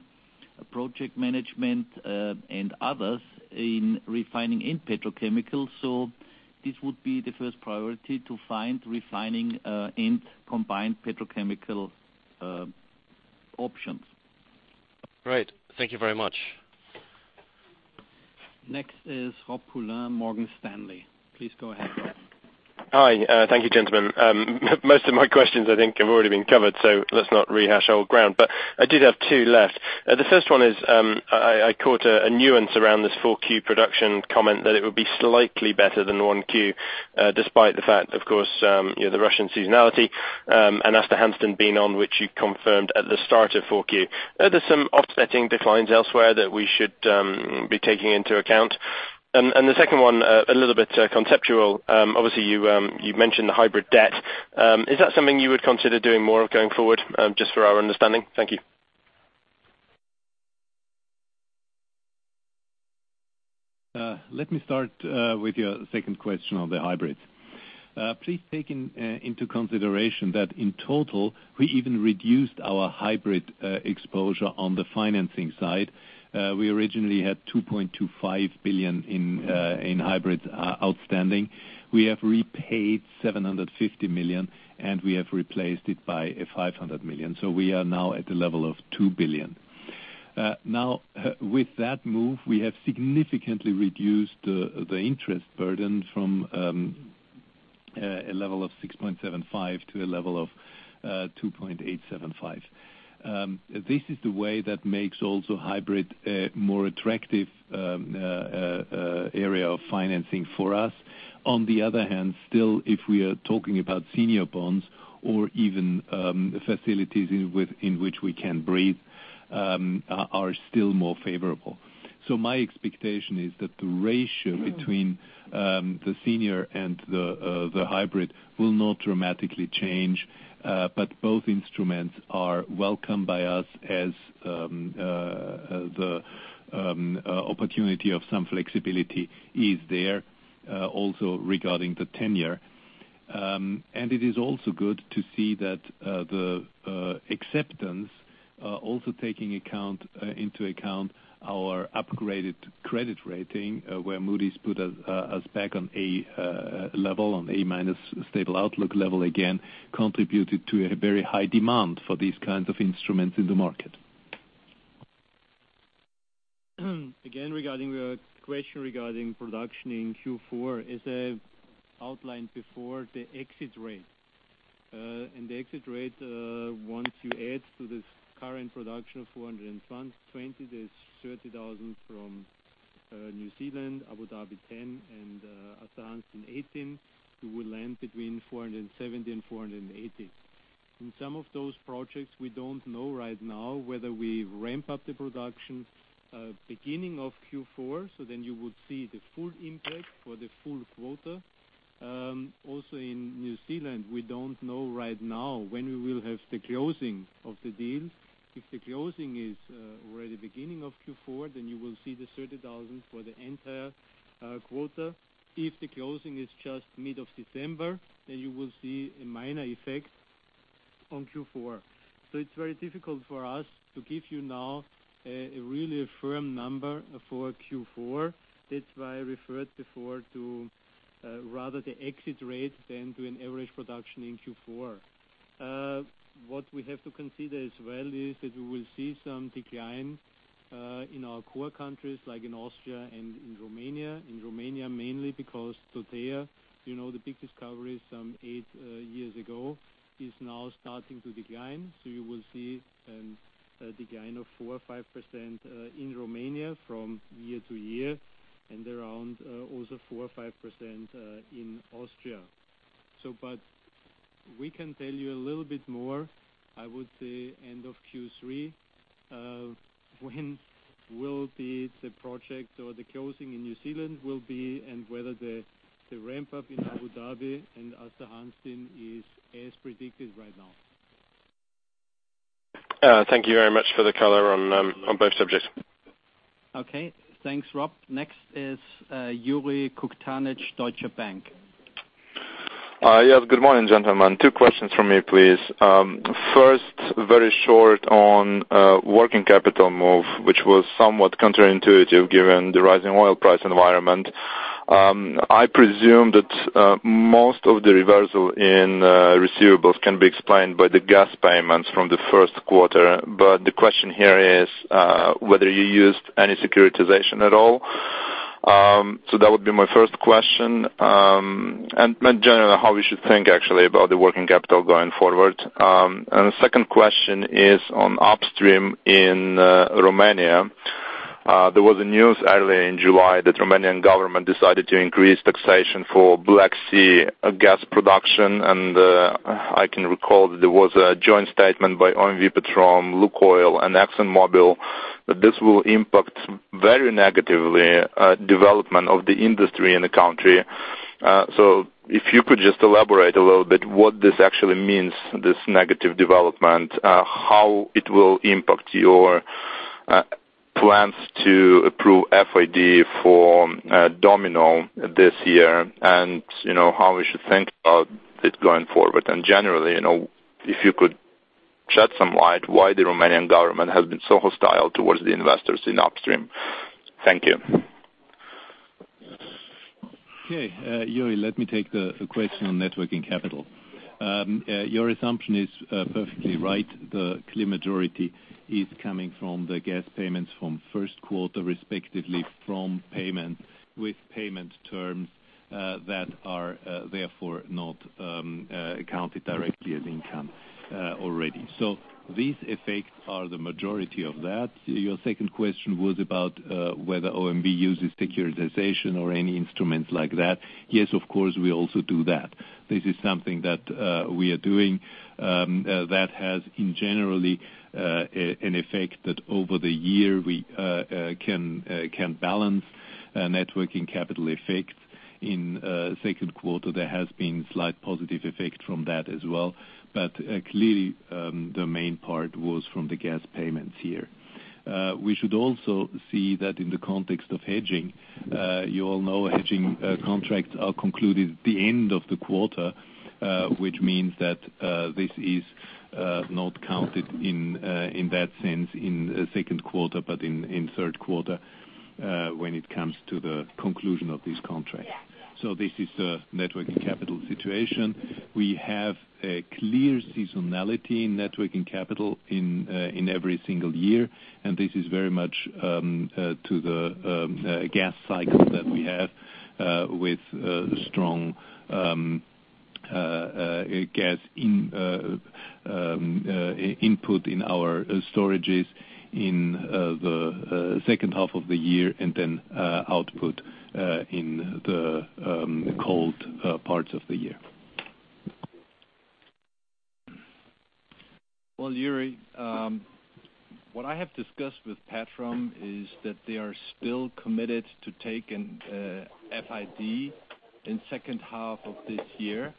project management, and others in refining and petrochemicals. This would be the first priority to find refining and combined petrochemical options. Great. Thank you very much. Next is Rob Poulin, Morgan Stanley. Please go ahead, Rob. Hi. Thank you, gentlemen. Most of my questions I think have already been covered. Let's not rehash old ground. I did have two left. The first one is, I caught a nuance around this Q4 production comment that it would be slightly better than 1Q, despite the fact, of course, the Russian seasonality, and Aasta Hansteen being on, which you confirmed at the start of Q4. Are there some offsetting declines elsewhere that we should be taking into account? The second one, a little bit conceptual. Obviously, you mentioned the hybrid debt. Is that something you would consider doing more of going forward? Just for our understanding. Thank you. Please take into consideration that in total, we even reduced our hybrid exposure on the financing side. We originally had 2.25 billion in hybrids outstanding. We have repaid 750 million, and we have replaced it by 500 million. We are now at the level of 2 billion. With that move, we have significantly reduced the interest burden from a level of 6.75% to a level of 2.875%. This is the way that makes also hybrid a more attractive area of financing for us. If we are talking about senior bonds or even facilities in which we can breathe, are still more favorable. My expectation is that the ratio between the senior and the hybrid will not dramatically change. Both instruments are welcomed by us as the opportunity of some flexibility is there also regarding the tenure. It is also good to see that the acceptance, also taking into account our upgraded credit rating, where Moody's put us back on A level, on A-minus stable outlook level again, contributed to a very high demand for these kinds of instruments in the market. Regarding the question regarding production in Q4, as I outlined before, the exit rate. The exit rate, once you add to this current production of 420 kboe, there's 30,000 kboe from New Zealand, Abu Dhabi 10 kboe, and Aasta Hansteen 18 kboe, we will land between 470-480 kboe. In some of those projects, we don't know right now whether we ramp up the production beginning of Q4, then you would see the full impact for the full quarter. In New Zealand, we don't know right now when we will have the closing of the deals. If the closing is already beginning of Q4, then you will see the 30,000 kboe for the entire quarter. If the closing is just mid of September, then you will see a minor effect on Q4. It's very difficult for us to give you now a really firm number for Q4. That's why I referred before to rather the exit rate than to an average production in Q4. What we have to consider as well is that we will see some decline in our core countries, like in Austria and in Romania. In Romania, mainly because to there, the big discovery some eight years ago is now starting to decline. You will see a decline of 4%-5% in Romania from year to year, and around also 4%-5% in Austria. We can tell you a little bit more, I would say end of Q3, when will the project or the closing in New Zealand will be and whether the ramp-up in Abu Dhabi and Aasta Hansteen is as predicted right now. Thank you very much for the color on both subjects. Thanks, Rob. Next is Yury Koktanich, Deutsche Bank. Yes, good morning, gentlemen. Two questions from me, please. First, very short on working capital move, which was somewhat counterintuitive given the rising oil price environment. I presume that most of the reversal in receivables can be explained by the gas payments from the first quarter. The question here is whether you used any securitization at all. That would be my first question. Generally, how we should think actually about the working capital going forward. The second question is on upstream in Romania. There was a news earlier in July that Romanian government decided to increase taxation for Black Sea gas production, and I can recall that there was a joint statement by OMV Petrom, LUKOIL, and ExxonMobil, that this will impact very negatively development of the industry in the country. If you could just elaborate a little bit what this actually means, this negative development, how it will impact your plans to approve FID for Domino this year and how we should think about it going forward. Generally, if you could shed some light why the Romanian government has been so hostile towards the investors in upstream. Thank you. Okay. Yury, let me take the question on net working capital. Your assumption is perfectly right. The clear majority is coming from the gas payments from first quarter, respectively from payment with payment terms that are therefore not counted directly as income already. These effects are the majority of that. Your second question was about whether OMV uses securitization or any instruments like that. Yes, of course, we also do that. This is something that we are doing that has in general an effect that over the year we can balance net working capital effects. In second quarter, there has been slight positive effect from that as well. Clearly, the main part was from the gas payments here. We should also see that in the context of hedging. You all know hedging contracts are concluded at the end of the quarter, which means that this is not counted in that sense in second quarter, but in third quarter, when it comes to the conclusion of these contracts. This is a net working capital situation. We have a clear seasonality in net working capital in every single year, and this is very much to the gas cycle that we have with strong gas input in our storages in the second half of the year, and then output in the cold parts of the year. Well, Yury, what I have discussed with Petrom is that they are still committed to take an FID in second half of this year.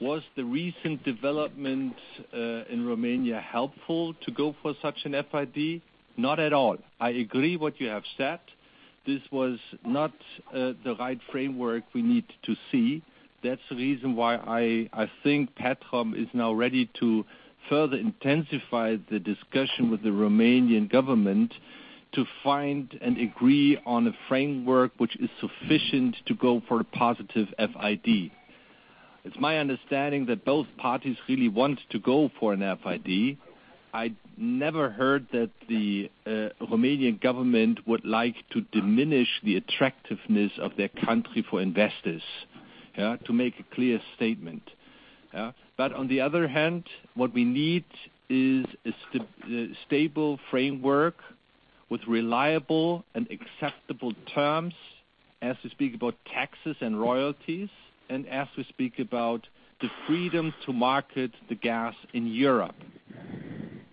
Was the recent development in Romania helpful to go for such an FID? Not at all. I agree what you have said. This was not the right framework we need to see. That's the reason why I think Petrom is now ready to further intensify the discussion with the Romanian government to find and agree on a framework which is sufficient to go for a positive FID. It's my understanding that both parties really want to go for an FID. I never heard that the Romanian government would like to diminish the attractiveness of their country for investors. To make a clear statement. On the other hand, what we need is a stable framework with reliable and acceptable terms as we speak about taxes and royalties, and as we speak about the freedom to market the gas in Europe.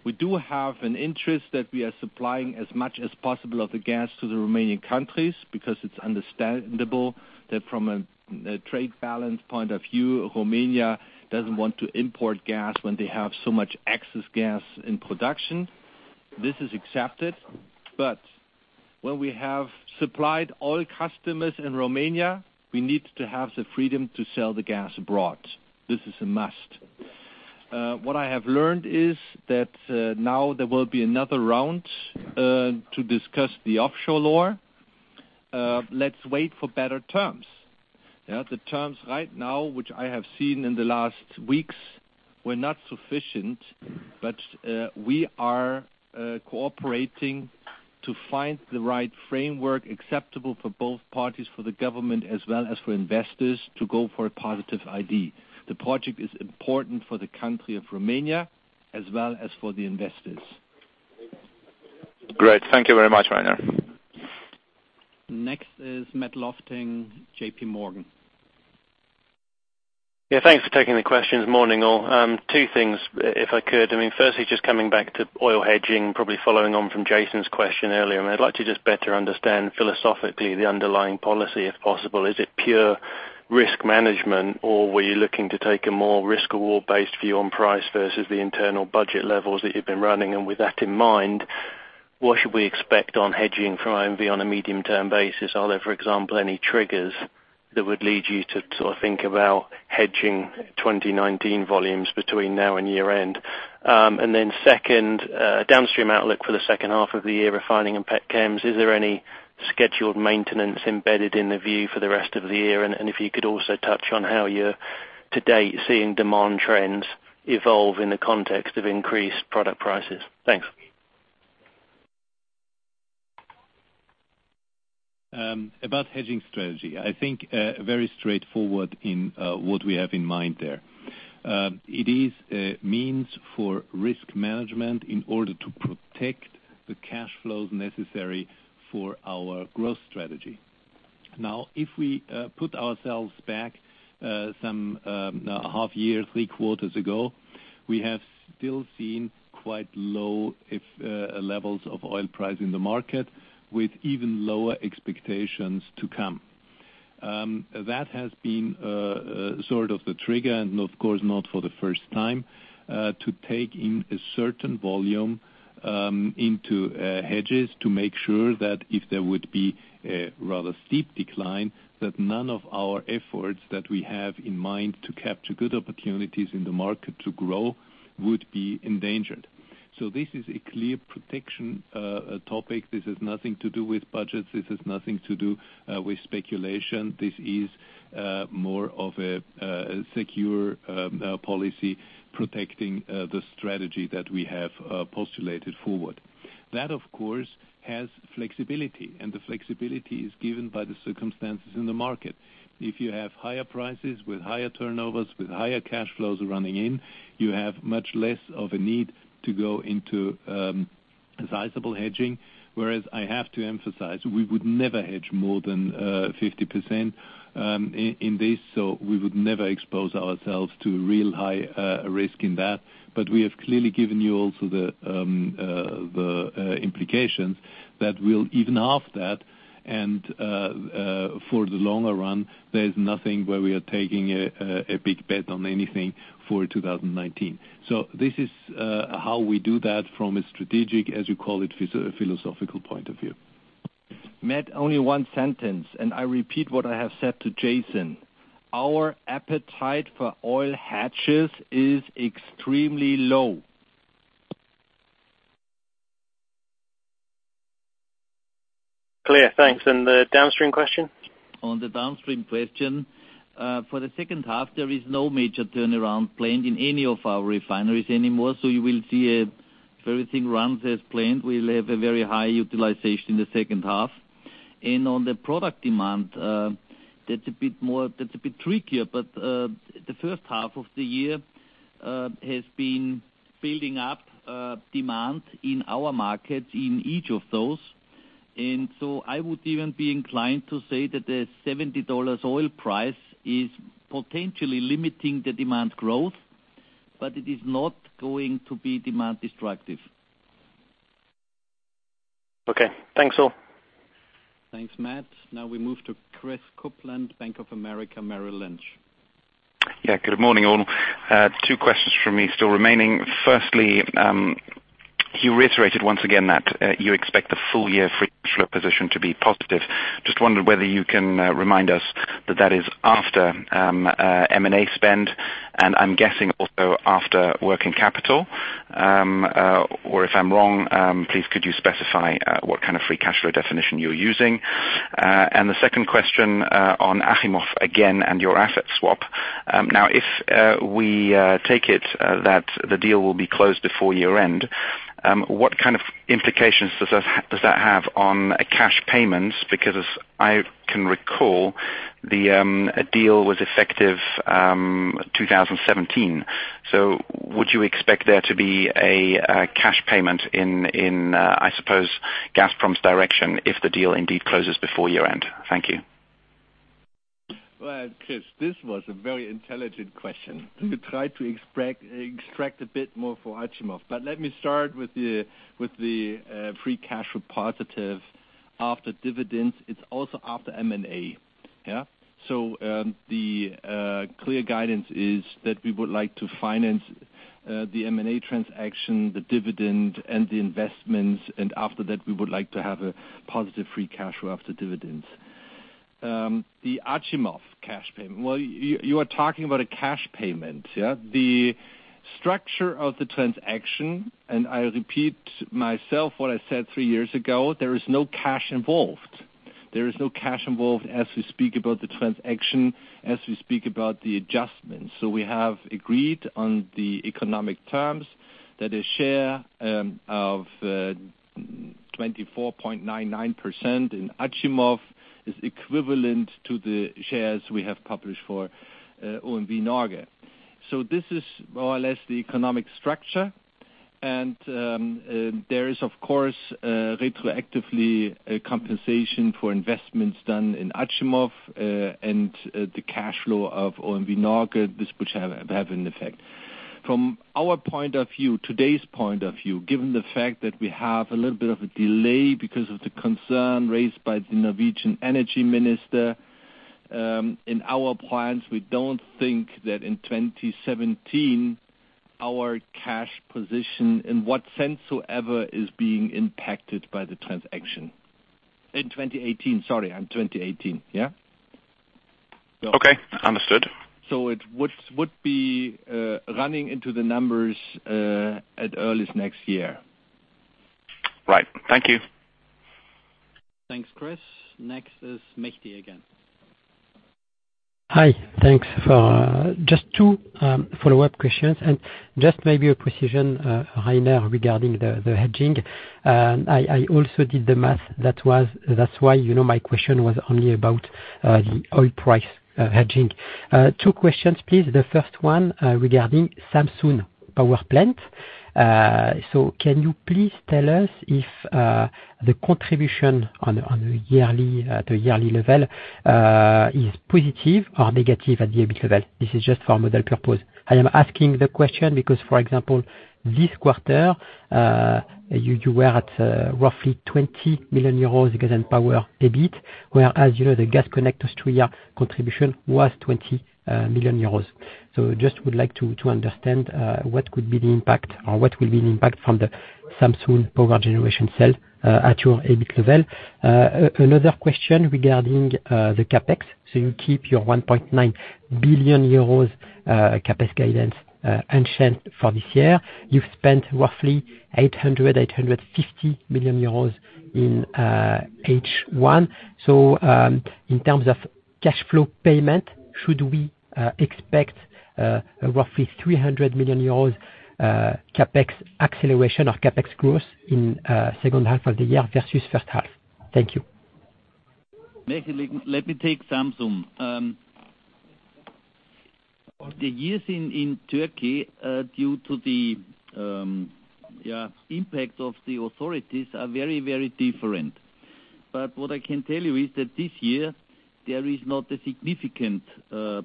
We do have an interest that we are supplying as much as possible of the gas to the Romanian countries, because it's understandable that from a trade balance point of view, Romania doesn't want to import gas when they have so much excess gas in production. This is accepted. When we have supplied oil customers in Romania, we need to have the freedom to sell the gas abroad. This is a must. What I have learned is that now there will be another round to discuss the offshore law. Let's wait for better terms. The terms right now, which I have seen in the last weeks, were not sufficient, but we are cooperating to find the right framework acceptable for both parties, for the government as well as for investors to go for a positive FID. The project is important for the country of Romania as well as for the investors. Great. Thank you very much, Rainer. Next is Matthew Lofting, J.P. Morgan. Yeah, thanks for taking the questions. Morning all. Two things, if I could. Firstly, just coming back to oil hedging, probably following on from Jason's question earlier. I'd like to just better understand philosophically the underlying policy, if possible. Is it pure risk management, or were you looking to take a more risk-reward-based view on price versus the internal budget levels that you've been running? With that in mind, what should we expect on hedging from OMV on a medium-term basis? Are there, for example, any triggers that would lead you to think about hedging 2019 volumes between now and year-end? Second, downstream outlook for the second half of the year, refining and pet chems. Is there any scheduled maintenance embedded in the view for the rest of the year? If you could also touch on how you're, to date, seeing demand trends evolve in the context of increased product prices. Thanks. About hedging strategy, I think very straightforward in what we have in mind there. It is a means for risk management in order to protect the cash flows necessary for our growth strategy. If we put ourselves back some half year, three quarters ago, we have still seen quite low levels of oil price in the market with even lower expectations to come. That has been sort of the trigger, and of course, not for the first time, to take in a certain volume into hedges to make sure that if there would be a rather steep decline, that none of our efforts that we have in mind to capture good opportunities in the market to grow would be endangered. This is a clear protection topic. This has nothing to do with budgets. This has nothing to do with speculation. This is more of a secure policy protecting the strategy that we have postulated forward. Of course, that has flexibility, and the flexibility is given by the circumstances in the market. If you have higher prices with higher turnovers, with higher cash flows running in, you have much less of a need to go into sizable hedging. Whereas I have to emphasize, we would never hedge more than 50% in this. We would never expose ourselves to real high risk in that. We have clearly given you also the implications that will even half that and for the longer run, there's nothing where we are taking a big bet on anything for 2019. This is how we do that from a strategic, as you call it, philosophical point of view. Matt, only one sentence, and I repeat what I have said to Jason. Our appetite for oil hedges is extremely low. Clear. Thanks. The downstream question? On the downstream question, for the second half, there is no major turnaround planned in any of our refineries anymore. You will see if everything runs as planned, we'll have a very high utilization in the second half. On the product demand, that's a bit trickier, but the first half of the year has been building up demand in our markets in each of those. I would even be inclined to say that the EUR 70 oil price is potentially limiting the demand growth, but it is not going to be demand-destructive. Okay. Thanks all. Thanks, Matt. We move to Christopher Kuplent, Bank of America Merrill Lynch. Good morning, all. Two questions from me still remaining. Firstly, you reiterated once again that you expect the full-year free cash flow position to be positive. Just wondered whether you can remind us that that is after M&A spend, and I'm guessing also after working capital. If I'm wrong, please could you specify what kind of free cash flow definition you're using? The second question on Achimov again and your asset swap. If we take it that the deal will be closed before year-end, what kind of implications does that have on cash payments? Because as I can recall, the deal was effective 2017. Would you expect there to be a cash payment in, I suppose, Gazprom's direction if the deal indeed closes before year-end? Thank you. Well, Chris, this was a very intelligent question. You try to extract a bit more for Achimov. Let me start with the free cash flow positive after dividends. It's also after M&A. The clear guidance is that we would like to finance the M&A transaction, the dividend and the investments, and after that, we would like to have a positive free cash flow after dividends. The Achimov cash payment. Well, you are talking about a cash payment. The structure of the transaction, I repeat myself what I said three years ago, there is no cash involved. There is no cash involved as we speak about the transaction, as we speak about the adjustments. We have agreed on the economic terms that a share of 24.99% in Achimov is equivalent to the shares we have published for OMV Norge. This is more or less the economic structure. There is of course retroactively a compensation for investments done in Achimov and the cash flow of OMV Norge, which have an effect. From our point of view, today's point of view, given the fact that we have a little bit of a delay because of the concern raised by the Norwegian energy minister. In our plans, we don't think that in 2017, our cash position is being impacted by the transaction. In 2018, sorry, in 2018. Okay. Understood. It would be running into the numbers at earliest next year. Right. Thank you. Thanks, Chris. Next is Mehdi again. Hi. Thanks. Just two follow-up questions, and just maybe a precision, Rainer, regarding the hedging. I also did the math. That's why my question was only about the oil price hedging. Two questions, please. The first one regarding Samsun Power Plant. Can you please tell us if the contribution on the yearly level is positive or negative at the EBIT level? This is just for model purpose. I am asking the question because, for example, this quarter, you were at roughly 20 million euros against power EBIT, whereas the Gas Connect Austria contribution was 20 million euros. Just would like to understand what could be the impact or what will be the impact from the Samsun Power Generation sale at your EBIT level. Another question regarding the CapEx. You keep your 1.9 billion euros CapEx guidance unchanged for this year. You've spent roughly 800 million euros, 850 million euros in H1. In terms of cash flow payment, should we expect a roughly 300 million euros CapEx acceleration or CapEx growth in second half of the year versus first half? Thank you. Mehdi, let me take Samsun. The years in Turkey, due to the impact of the authorities are very different. What I can tell you is that this year, there is not a significant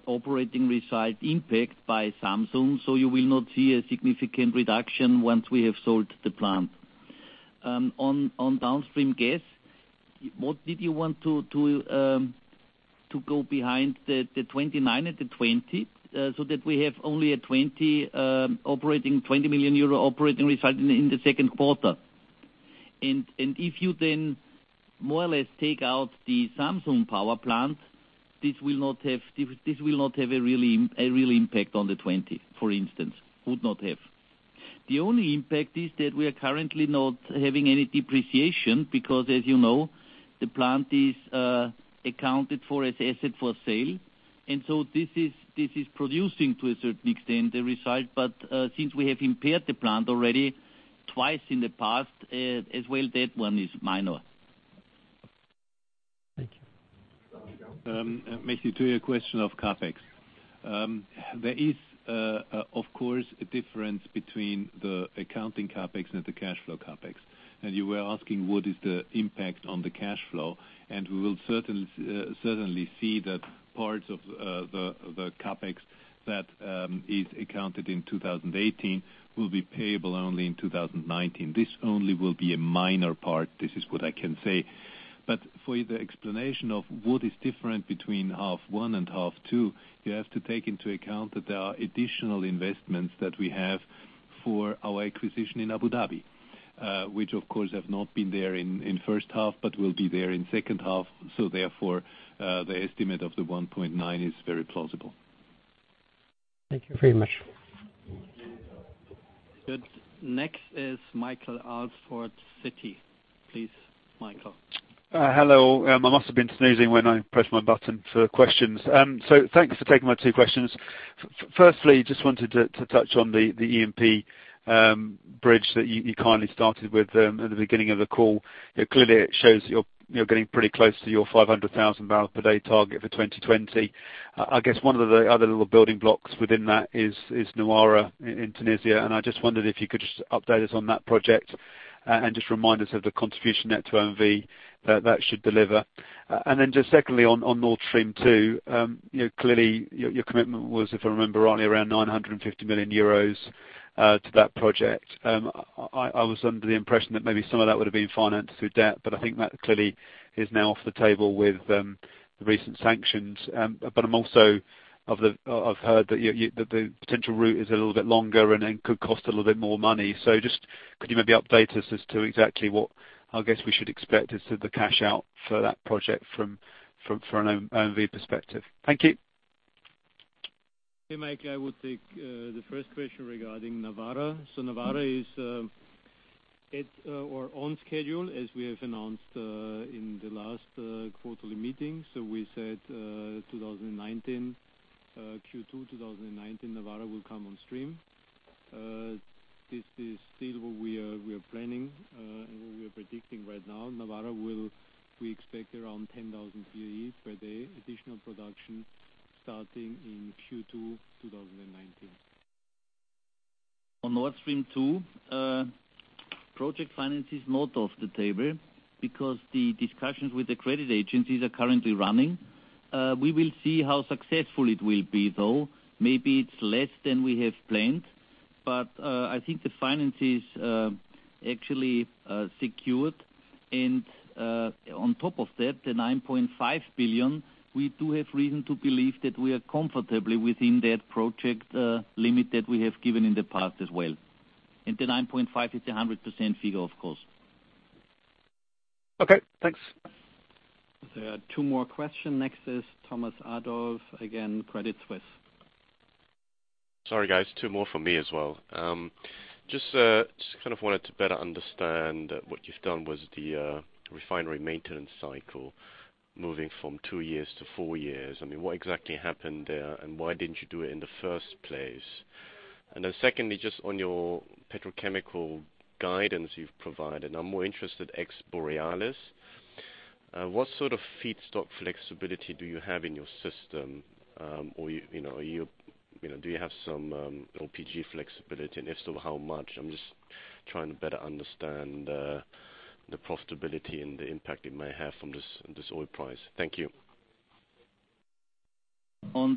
operating result impact by Samsun, you will not see a significant reduction once we have sold the plant. On downstream gas, what did you want to go behind the 29 and the 20? That we have only a operating 20 million euro operating result in the second quarter. If you then more or less take out the Samsun power plant, this will not have a real impact on the 20. The only impact is that we are currently not having any depreciation because, as you know, the plant is accounted for as asset for sale, this is producing to a certain extent the result, since we have impaired the plant already Twice in the past, as well, that one is minor. Thank you. Mehdi, to your question of CapEx. There is, of course, a difference between the accounting CapEx and the cash flow CapEx. You were asking what is the impact on the cash flow, and we will certainly see that parts of the CapEx that is accounted in 2018 will be payable only in 2019. This only will be a minor part. This is what I can say. For the explanation of what is different between half one and half two, you have to take into account that there are additional investments that we have for our acquisition in Abu Dhabi, which of course, have not been there in first half, but will be there in second half, so therefore, the estimate of the 1.9 is very plausible. Thank you very much. Good. Next is Michael Alsford, Citi. Please, Michael. Hello. I must have been snoozing when I pressed my button for questions. Thanks for taking my two questions. Firstly, just wanted to touch on the E&P bridge that you kindly started with at the beginning of the call. Clearly, it shows that you're getting pretty close to your 500,000 barrel per day target for 2020. I guess one of the other little building blocks within that is Nawara in Tunisia, and I just wondered if you could just update us on that project and just remind us of the contribution net to OMV that should deliver. Secondly, on Nord Stream 2, clearly your commitment was, if I remember rightly, around 950 million euros to that project. I was under the impression that maybe some of that would have been financed through debt, I think that clearly is now off the table with the recent sanctions. I've heard that the potential route is a little bit longer and could cost a little bit more money. Just could you maybe update us as to exactly what I guess we should expect as to the cash out for that project from an OMV perspective? Thank you. Hey, Mike, I would take the first question regarding Nawara. Nawara is on schedule, as we have announced in the last quarterly meeting. We said Q2 2019, Nawara will come on stream. This is still what we are planning, and what we are predicting right now. Nawara, we expect around 10,000 BOEs per day, additional production starting in Q2 2019. On Nord Stream 2, project finance is not off the table because the discussions with the credit agencies are currently running. We will see how successful it will be, though. Maybe it's less than we have planned, but I think the finance is actually secured. On top of that, the 9.5 billion, we do have reason to believe that we are comfortably within that project limit that we have given in the past as well. The 9.5 is 100% figure, of course. Okay, thanks. There are two more questions. Next is Thomas Adolff, again, Credit Suisse. Sorry, guys. Two more from me as well. Just wanted to better understand what you've done with the refinery maintenance cycle, moving from two years to four years. What exactly happened there, and why didn't you do it in the first place? Then secondly, just on your petrochemical guidance you've provided, I'm more interested ex Borealis. What sort of feedstock flexibility do you have in your system? Do you have some LPG flexibility? If so, how much? I'm just trying to better understand the profitability and the impact it may have from this oil price. Thank you. What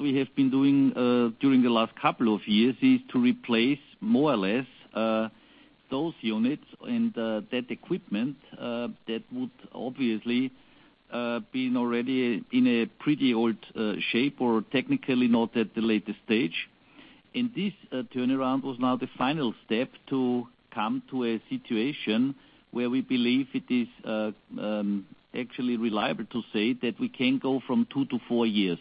we have been doing during the last couple of years is to replace more or less those units and that equipment that would obviously been already in a pretty old shape or technically not at the latest stage. This turnaround was now the final step to come to a situation where we believe it is actually reliable to say that we can go from two to four years.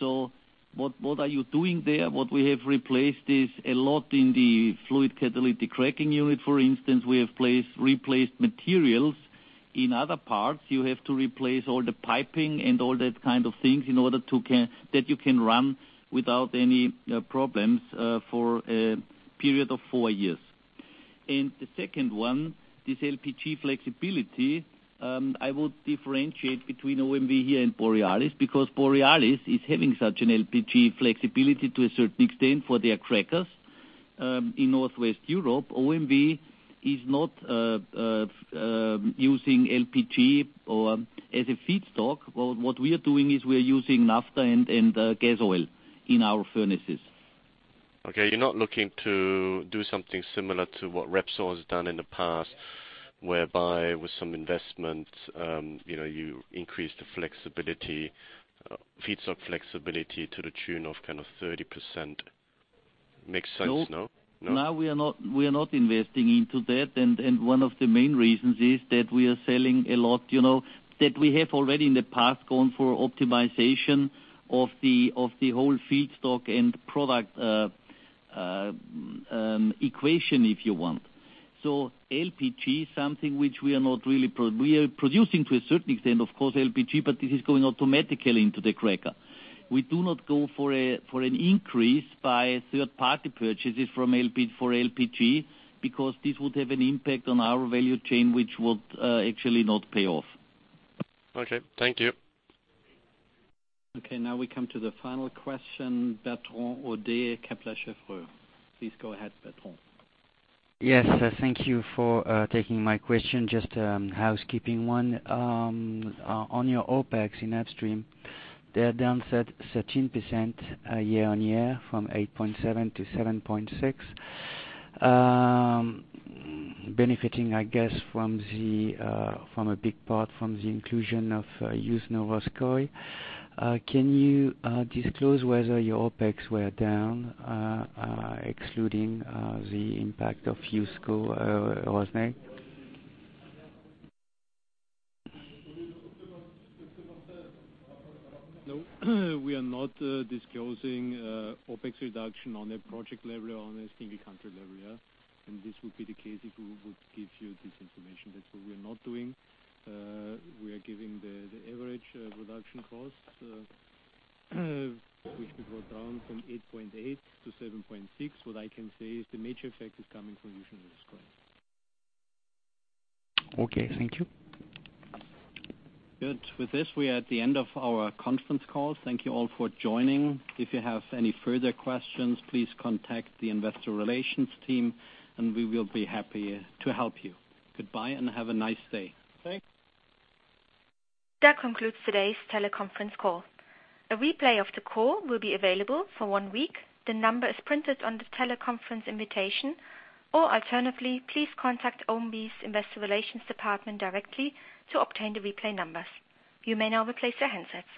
What are you doing there? What we have replaced is a lot in the fluid catalytic cracking unit, for instance. We have replaced materials. In other parts, you have to replace all the piping and all that kind of things in order that you can run without any problems for a period of four years. The second one, this LPG flexibility, I would differentiate between OMV here and Borealis, because Borealis is having such an LPG flexibility to a certain extent for their crackers in Northwest Europe. OMV is not using LPG as a feedstock. What we are doing is we are using naphtha and gas oil in our furnaces. Okay, you're not looking to do something similar to what Repsol has done in the past, whereby with some investment, you increase the feedstock flexibility to the tune of 30%. Makes sense, no? No, we are not investing into that, and one of the main reasons is that we are selling a lot, that we have already in the past gone for optimization of the whole feedstock and product equation, if you want. LPG is something which we are producing to a certain extent, of course, LPG, but it is going automatically into the cracker. We do not go for an increase by third-party purchases for LPG, because this would have an impact on our value chain, which would actually not pay off. Okay. Thank you. Okay, now we come to the final question, Bertrand Odde, Kepler Cheuvreux. Please go ahead, Bertrand. Yes, thank you for taking my question, just a housekeeping one. On your OpEx in upstream, they are down 13% year-over-year from 8.7 to 7.6. Benefiting, I guess, from a big part from the inclusion of Yuzhno-Russkoye. Can you disclose whether your OpEx were down excluding the impact of Yuzhno-Russkoye? No. We are not disclosing OpEx reduction on a project level, on a single country level, yeah. This would be the case if we would give you this information. That's what we're not doing. We are giving the average reduction costs, which we brought down from 8.8 to 7.6. What I can say is the major effect is coming from Yuzhno-Russkoye. Okay, thank you. Good. With this, we are at the end of our conference call. Thank you all for joining. If you have any further questions, please contact the Investor Relations team, and we will be happy to help you. Goodbye and have a nice day. Thanks. That concludes today's teleconference call. A replay of the call will be available for one week. The number is printed on the teleconference invitation, or alternatively, please contact OMV's Investor Relations department directly to obtain the replay numbers. You may now replace your handsets.